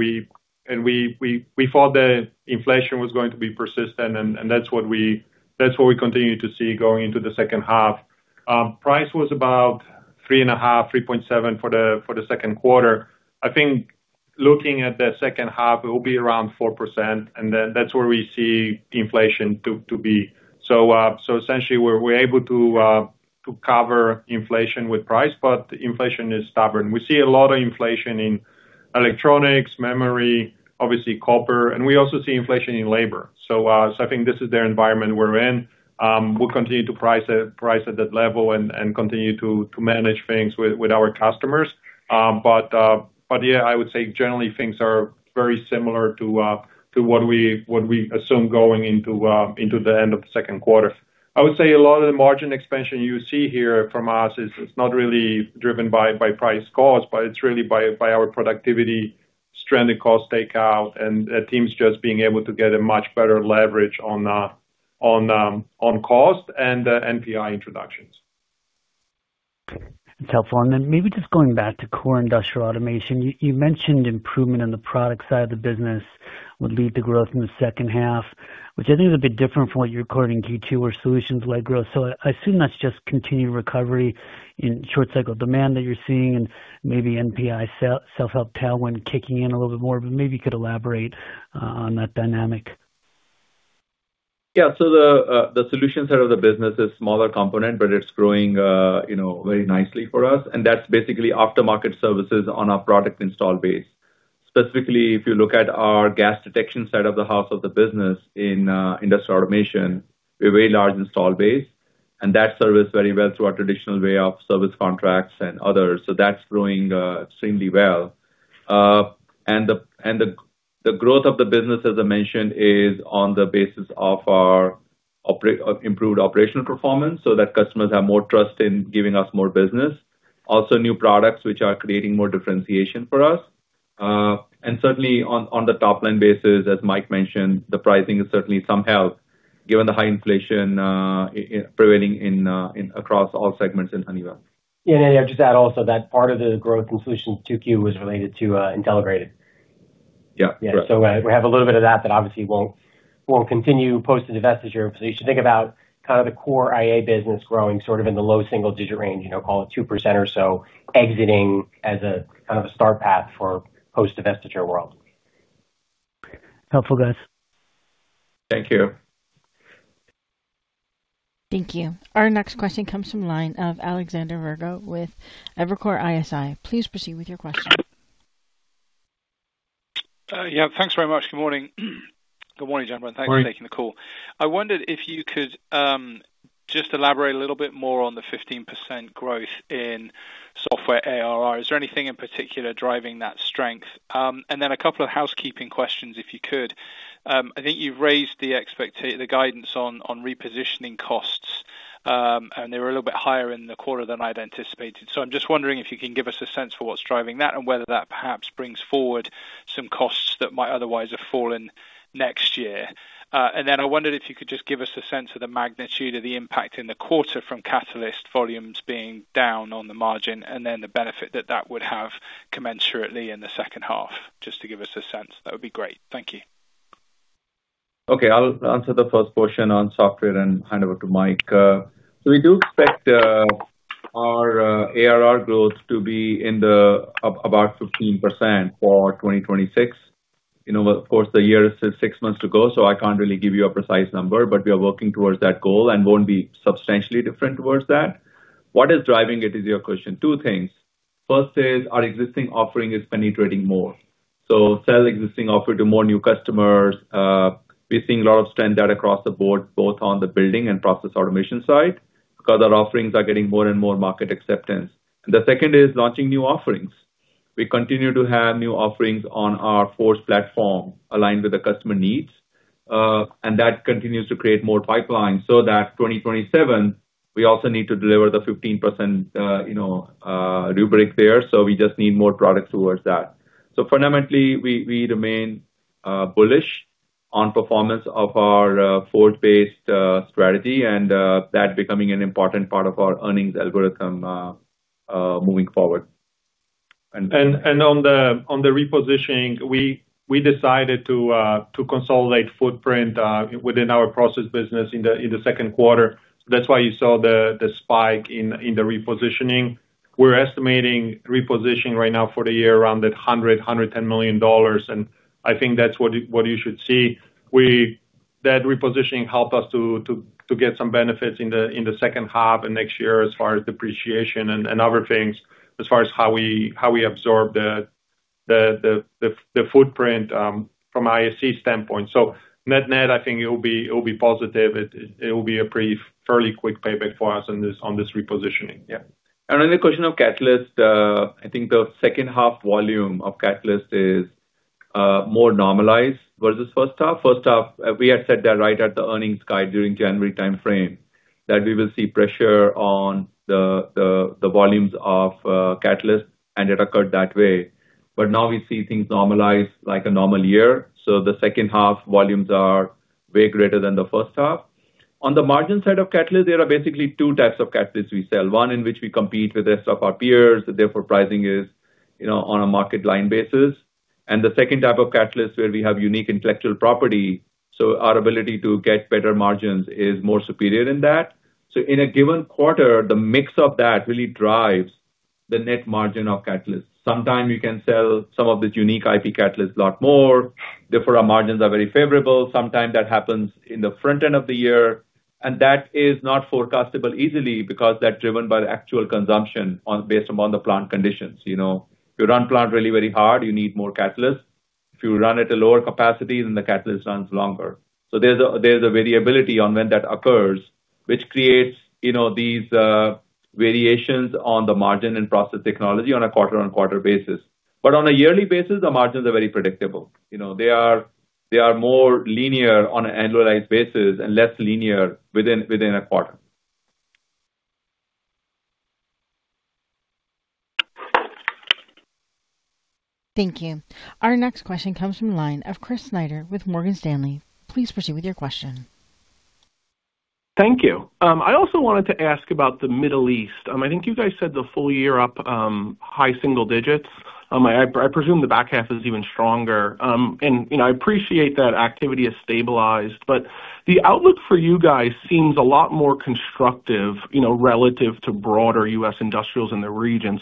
We thought that inflation was going to be persistent, and that's what we continue to see going into the second half. Price was about 3.5%, 3.7% for the second quarter. I think looking at the second half, it will be around 4%, that's where we see inflation to be. Essentially, we're able to cover inflation with price, but inflation is stubborn. We see a lot of inflation in electronics, memory, obviously copper, and we also see inflation in labor. I think this is the environment we're in. We'll continue to price at that level and continue to manage things with our customers. Yeah, I would say generally things are very similar to what we assume going into the end of the second quarter. I would say a lot of the margin expansion you see here from us is not really driven by price cost, it's really by our productivity stranded cost takeout and teams just being able to get a much better leverage on cost and NPI introductions. That's helpful. Maybe just going back to core Industrial Automation. You mentioned improvement on the product side of the business would lead to growth in the second half, which I think is a bit different from what you recorded in Q2, where solutions led growth. I assume that's just continued recovery in short cycle demand that you're seeing and maybe NPI self-help tailwind kicking in a little bit more, maybe you could elaborate on that dynamic. Yeah. The solution side of the business is smaller component, but it's growing very nicely for us, and that's basically after-market services on our product install base. Specifically, if you look at our gas detection side of the house of the business in Industrial Automation, we have a large install base, and that's serviced very well through our traditional way of service contracts and others. That's growing extremely well. Certainly on the top-line basis, as Mike mentioned, the pricing has certainly some help given the high inflation prevailing across all segments in Honeywell. Yeah. Just add also that part of the growth in solutions 2Q was related to Intelligrated. Yeah, correct. We have a little bit of that, but obviously won't continue post-divestiture. You should think about the core IA business growing sort of in the low single-digit range, call it 2% or so, exiting as a kind of a star path for post-divestiture world. Helpful, guys. Thank you. Thank you. Our next question comes from the line of Alexander Virgo with Evercore ISI. Please proceed with your question. Yeah, thanks very much. Good morning. Good morning, gentlemen. Morning. Thanks for taking the call. I wondered if you could just elaborate a little bit more on the 15% growth in software ARR. Is there anything in particular driving that strength? A couple of housekeeping questions, if you could. You've raised the guidance on repositioning costs, they were a little bit higher in the quarter than I'd anticipated. I'm just wondering if you can give us a sense for what's driving that and whether that perhaps brings forward some costs that might otherwise have fallen next year. I wondered if you could just give us a sense of the magnitude of the impact in the quarter from catalyst volumes being down on the margin, the benefit that that would have commensurately in the second half, just to give us a sense. That would be great. Thank you. Okay. I'll answer the first portion on software and hand over to Mike. We do expect our ARR growth to be about 15% for 2026. Of course, the year has six months to go, I can't really give you a precise number, we are working towards that goal and won't be substantially different towards that. What is driving it is your question. Two things. First is our existing offering is penetrating more. Sell existing offering to more new customers. We're seeing a lot of strength data across the board, both on the Building Automation and Process Automation side, because our offerings are getting more and more market acceptance. The second is launching new offerings. We continue to have new offerings on our Forge platform aligned with the customer needs. That continues to create more pipeline so that 2027, we also need to deliver the 15% rubric there. We just need more products towards that. Fundamentally, we remain bullish on performance of our Forge-based strategy, and that becoming an important part of our earnings algorithm moving forward. On the repositioning, we decided to consolidate footprint within our process business in the 2Q. That's why you saw the spike in the repositioning. We're estimating repositioning right now for the year around that $100 million-$110 million, I think that's what you should see. That repositioning help us to get some benefits in the 2H and next year as far as depreciation and other things as far as how we absorb the footprint from ISC standpoint. Net-net, I think it will be positive. It will be a pretty fairly quick payback for us on this repositioning. On the question of catalyst, I think the second half volume of catalyst is more normalized versus first half. First half, we had said that right at the earnings guide during January time frame, that we will see pressure on the volumes of catalyst, and it occurred that way. Now we see things normalize like a normal year. The second half volumes are way greater than the first half. On the margin side of catalyst, there are basically two types of catalysts we sell. One in which we compete with the rest of our peers, therefore pricing is on a market line basis. The second type of catalyst where we have unique intellectual property, so our ability to get better margins is more superior than that. In a given quarter, the mix of that really drives the net margin of catalyst. Sometimes you can sell some of the unique IP catalysts a lot more, therefore our margins are very favorable. Sometimes that happens in the front end of the year, and that is not forecastable easily because that's driven by the actual consumption based upon the plant conditions. If you run plant really, very hard, you need more catalyst. If you run at a lower capacity, then the catalyst runs longer. There's a variability on when that occurs, which creates these variations on the margin and process technology on a quarter-on-quarter basis. On a yearly basis, the margins are very predictable. They are more linear on an annualized basis and less linear within a quarter. Thank you. Our next question comes from the line of Chris Snyder with Morgan Stanley. Please proceed with your question. Thank you. I also wanted to ask about the Middle East. I think you guys said the full year up high single digits. I presume the back half is even stronger. I appreciate that activity has stabilized, but the outlook for you guys seems a lot more constructive relative to broader U.S. industrials in the region.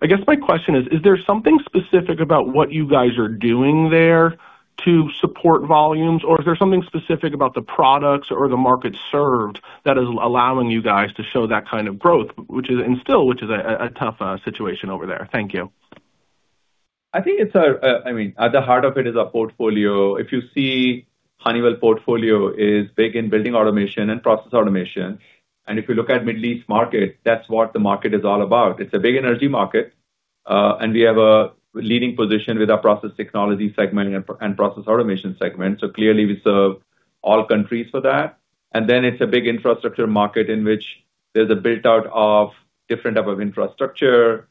I guess my question is there something specific about what you guys are doing there to support volumes? Is there something specific about the products or the markets served that is allowing you guys to show that kind of growth, and still which is a tough situation over there? Thank you. I think at the heart of it is our portfolio. If you see Honeywell portfolio is big in Building Automation and Process Automation. If you look at Middle East market, that's what the market is all about. It's a big energy market. We have a leading position with our process technology segment and Process Automation segment. Clearly we serve all countries for that. It's a big infrastructure market in which there's a build-out of different type of infrastructure,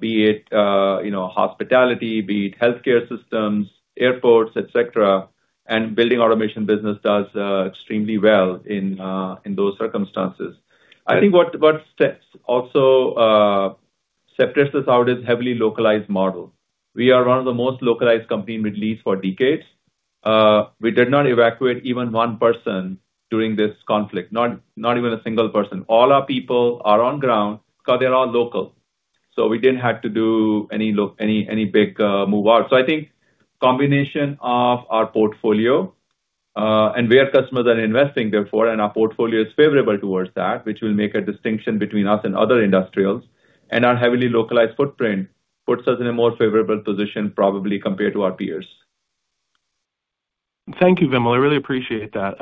be it hospitality, be it healthcare systems, airports, et cetera, and Building Automation business does extremely well in those circumstances. I think what sets us out is heavily localized model. We are one of the most localized company in Middle East for decades. We did not evacuate even one person during this conflict, not even a single person. All our people are on ground because they're all local. We didn't have to do any big move out. I think combination of our portfolio, and where customers are investing therefore, and our portfolio is favorable towards that, which will make a distinction between us and other industrials, and our heavily localized footprint puts us in a more favorable position probably compared to our peers. Thank you, Vimal. I really appreciate that.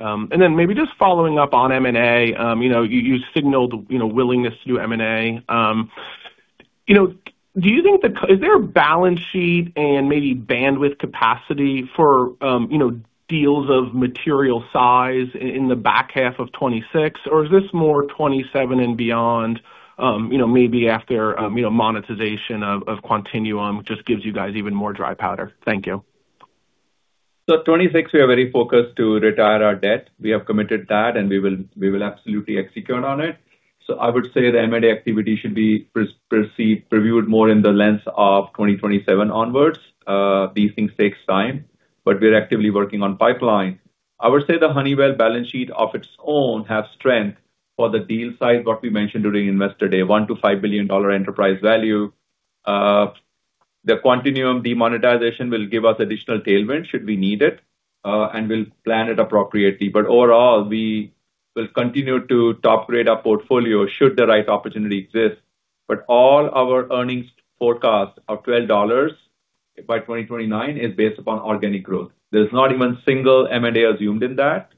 Maybe just following up on M&A, you signaled willingness to do M&A. Is there a balance sheet and maybe bandwidth capacity for deals of material size in the back half of 2026? Or is this more 2027 and beyond, maybe after monetization of Quantinuum just gives you guys even more dry powder? Thank you. 2026, we are very focused to retire our debt. We have committed that, and we will absolutely execute on it. I would say the M&A activity should be reviewed more in the lens of 2027 onwards. These things take time. We're actively working on pipeline. I would say the Honeywell balance sheet of its own have strength for the deal size what we mentioned during Investor Day, $1 billion-$5 billion enterprise value. The Quantinuum demonetization will give us additional tailwind should we need it, and we'll plan it appropriately. Overall, we will continue to top grade our portfolio should the right opportunity exist. All our earnings forecast of $12 by 2029 is based upon organic growth. There's not even single M&A assumed in that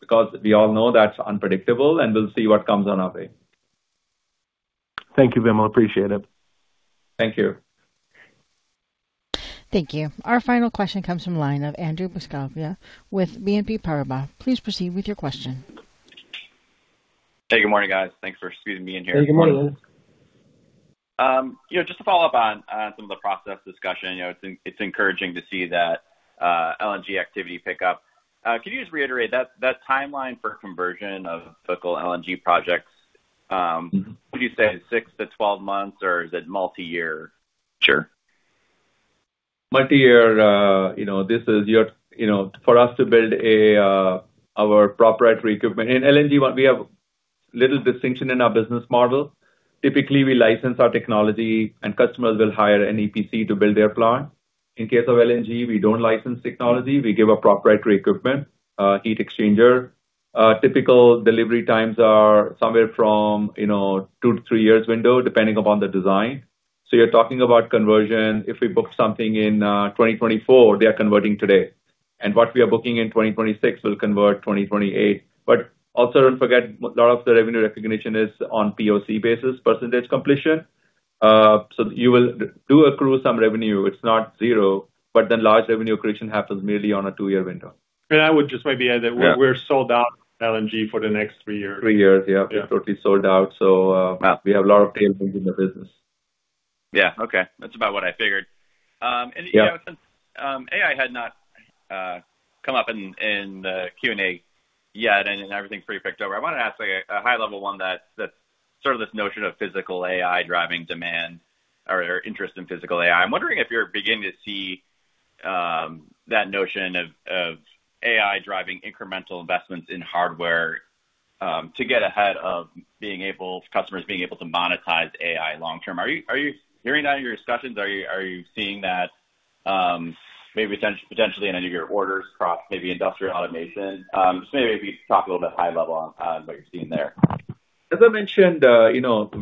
because we all know that's unpredictable, and we'll see what comes on our way. Thank you, Vimal. Appreciate it. Thank you. Thank you. Our final question comes from line of Andrew Buscaglia with BNP Paribas. Please proceed with your question. Hey, good morning, guys. Thanks for squeezing me in here. Hey, good morning. Just to follow up on some of the process discussion, it's encouraging to see that LNG activity pick up. Could you just reiterate that timeline for conversion of typical LNG projects? Would you say 6-12 months, or is it multi-year? Sure. Multi-year, for us to build our proprietary equipment. In LNG, we have little distinction in our business model. Typically, we license our technology and customers will hire an EPC to build their plant. In case of LNG, we don't license technology, we give a proprietary equipment, heat exchanger. Typical delivery times are somewhere from two to three years window, depending upon the design. You're talking about conversion, if we book something in 2024, they're converting today. What we are booking in 2026 will convert 2028. Also don't forget, a lot of the revenue recognition is on POC basis, percentage completion. You will do accrue some revenue. It's not zero, then large revenue accretion happens merely on a two-year window. I would just maybe add that we're sold out LNG for the next three years. Three years, yeah. Totally sold out. We have a lot of tailwinds in the business. Yeah. Okay. That's about what I figured. Yeah. Since AI had not come up in the Q&A yet, and everything's pretty picked over, I want to ask a high level one that's sort of this notion of physical AI driving demand or interest in physical AI. I'm wondering if you're beginning to see that notion of AI driving incremental investments in hardware, to get ahead of customers being able to monetize AI long term. Are you hearing that in your discussions? Are you seeing that, maybe potentially in any of your orders across maybe Industrial Automation? Just maybe if you could talk a little bit high level on what you're seeing there. As I mentioned, when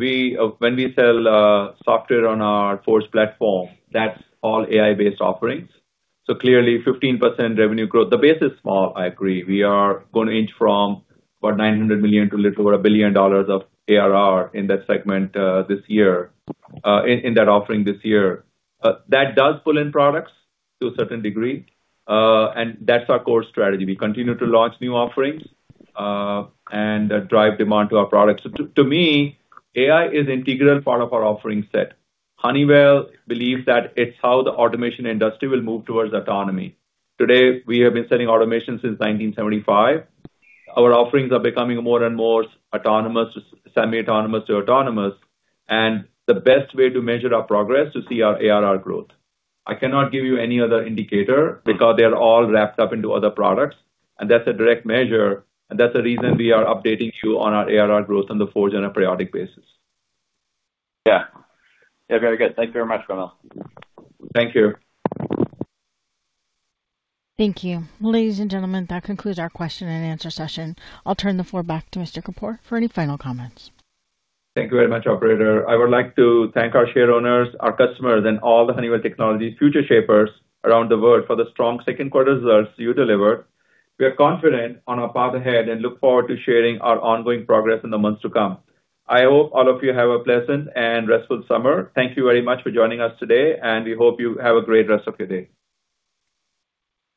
we sell software on our Honeywell Forge platform, that's all AI-based offerings. Clearly 15% revenue growth. The base is small, I agree. We are going to inch from about $900 million to a little over $1 billion of ARR in that segment this year, in that offering this year. That does pull in products to a certain degree. That's our core strategy. We continue to launch new offerings, and drive demand to our products. To me, AI is integral part of our offering set. Honeywell believes that it's how the automation industry will move towards autonomy. Today, we have been selling automation since 1975. Our offerings are becoming more and more autonomous, semi-autonomous to autonomous. The best way to measure our progress is to see our ARR growth. I cannot give you any other indicator because they're all wrapped up into other products. That's a direct measure. That's the reason we are updating you on our ARR growth on the Honeywell Forge on a periodic basis. Yeah. Very good. Thank you very much, Vimal. Thank you. Thank you. Ladies and gentlemen, that concludes our question and answer session. I'll turn the floor back to Mr. Kapur for any final comments. Thank you very much, operator. I would like to thank our share owners, our customers, and all the Honeywell Technologies future shapers around the world for the strong second quarter results you delivered. We are confident on our path ahead and look forward to sharing our ongoing progress in the months to come. I hope all of you have a pleasant and restful summer. Thank you very much for joining us today, and we hope you have a great rest of your day.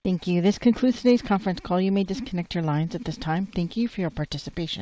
Thank you. This concludes today's conference call. You may disconnect your lines at this time. Thank you for your participation.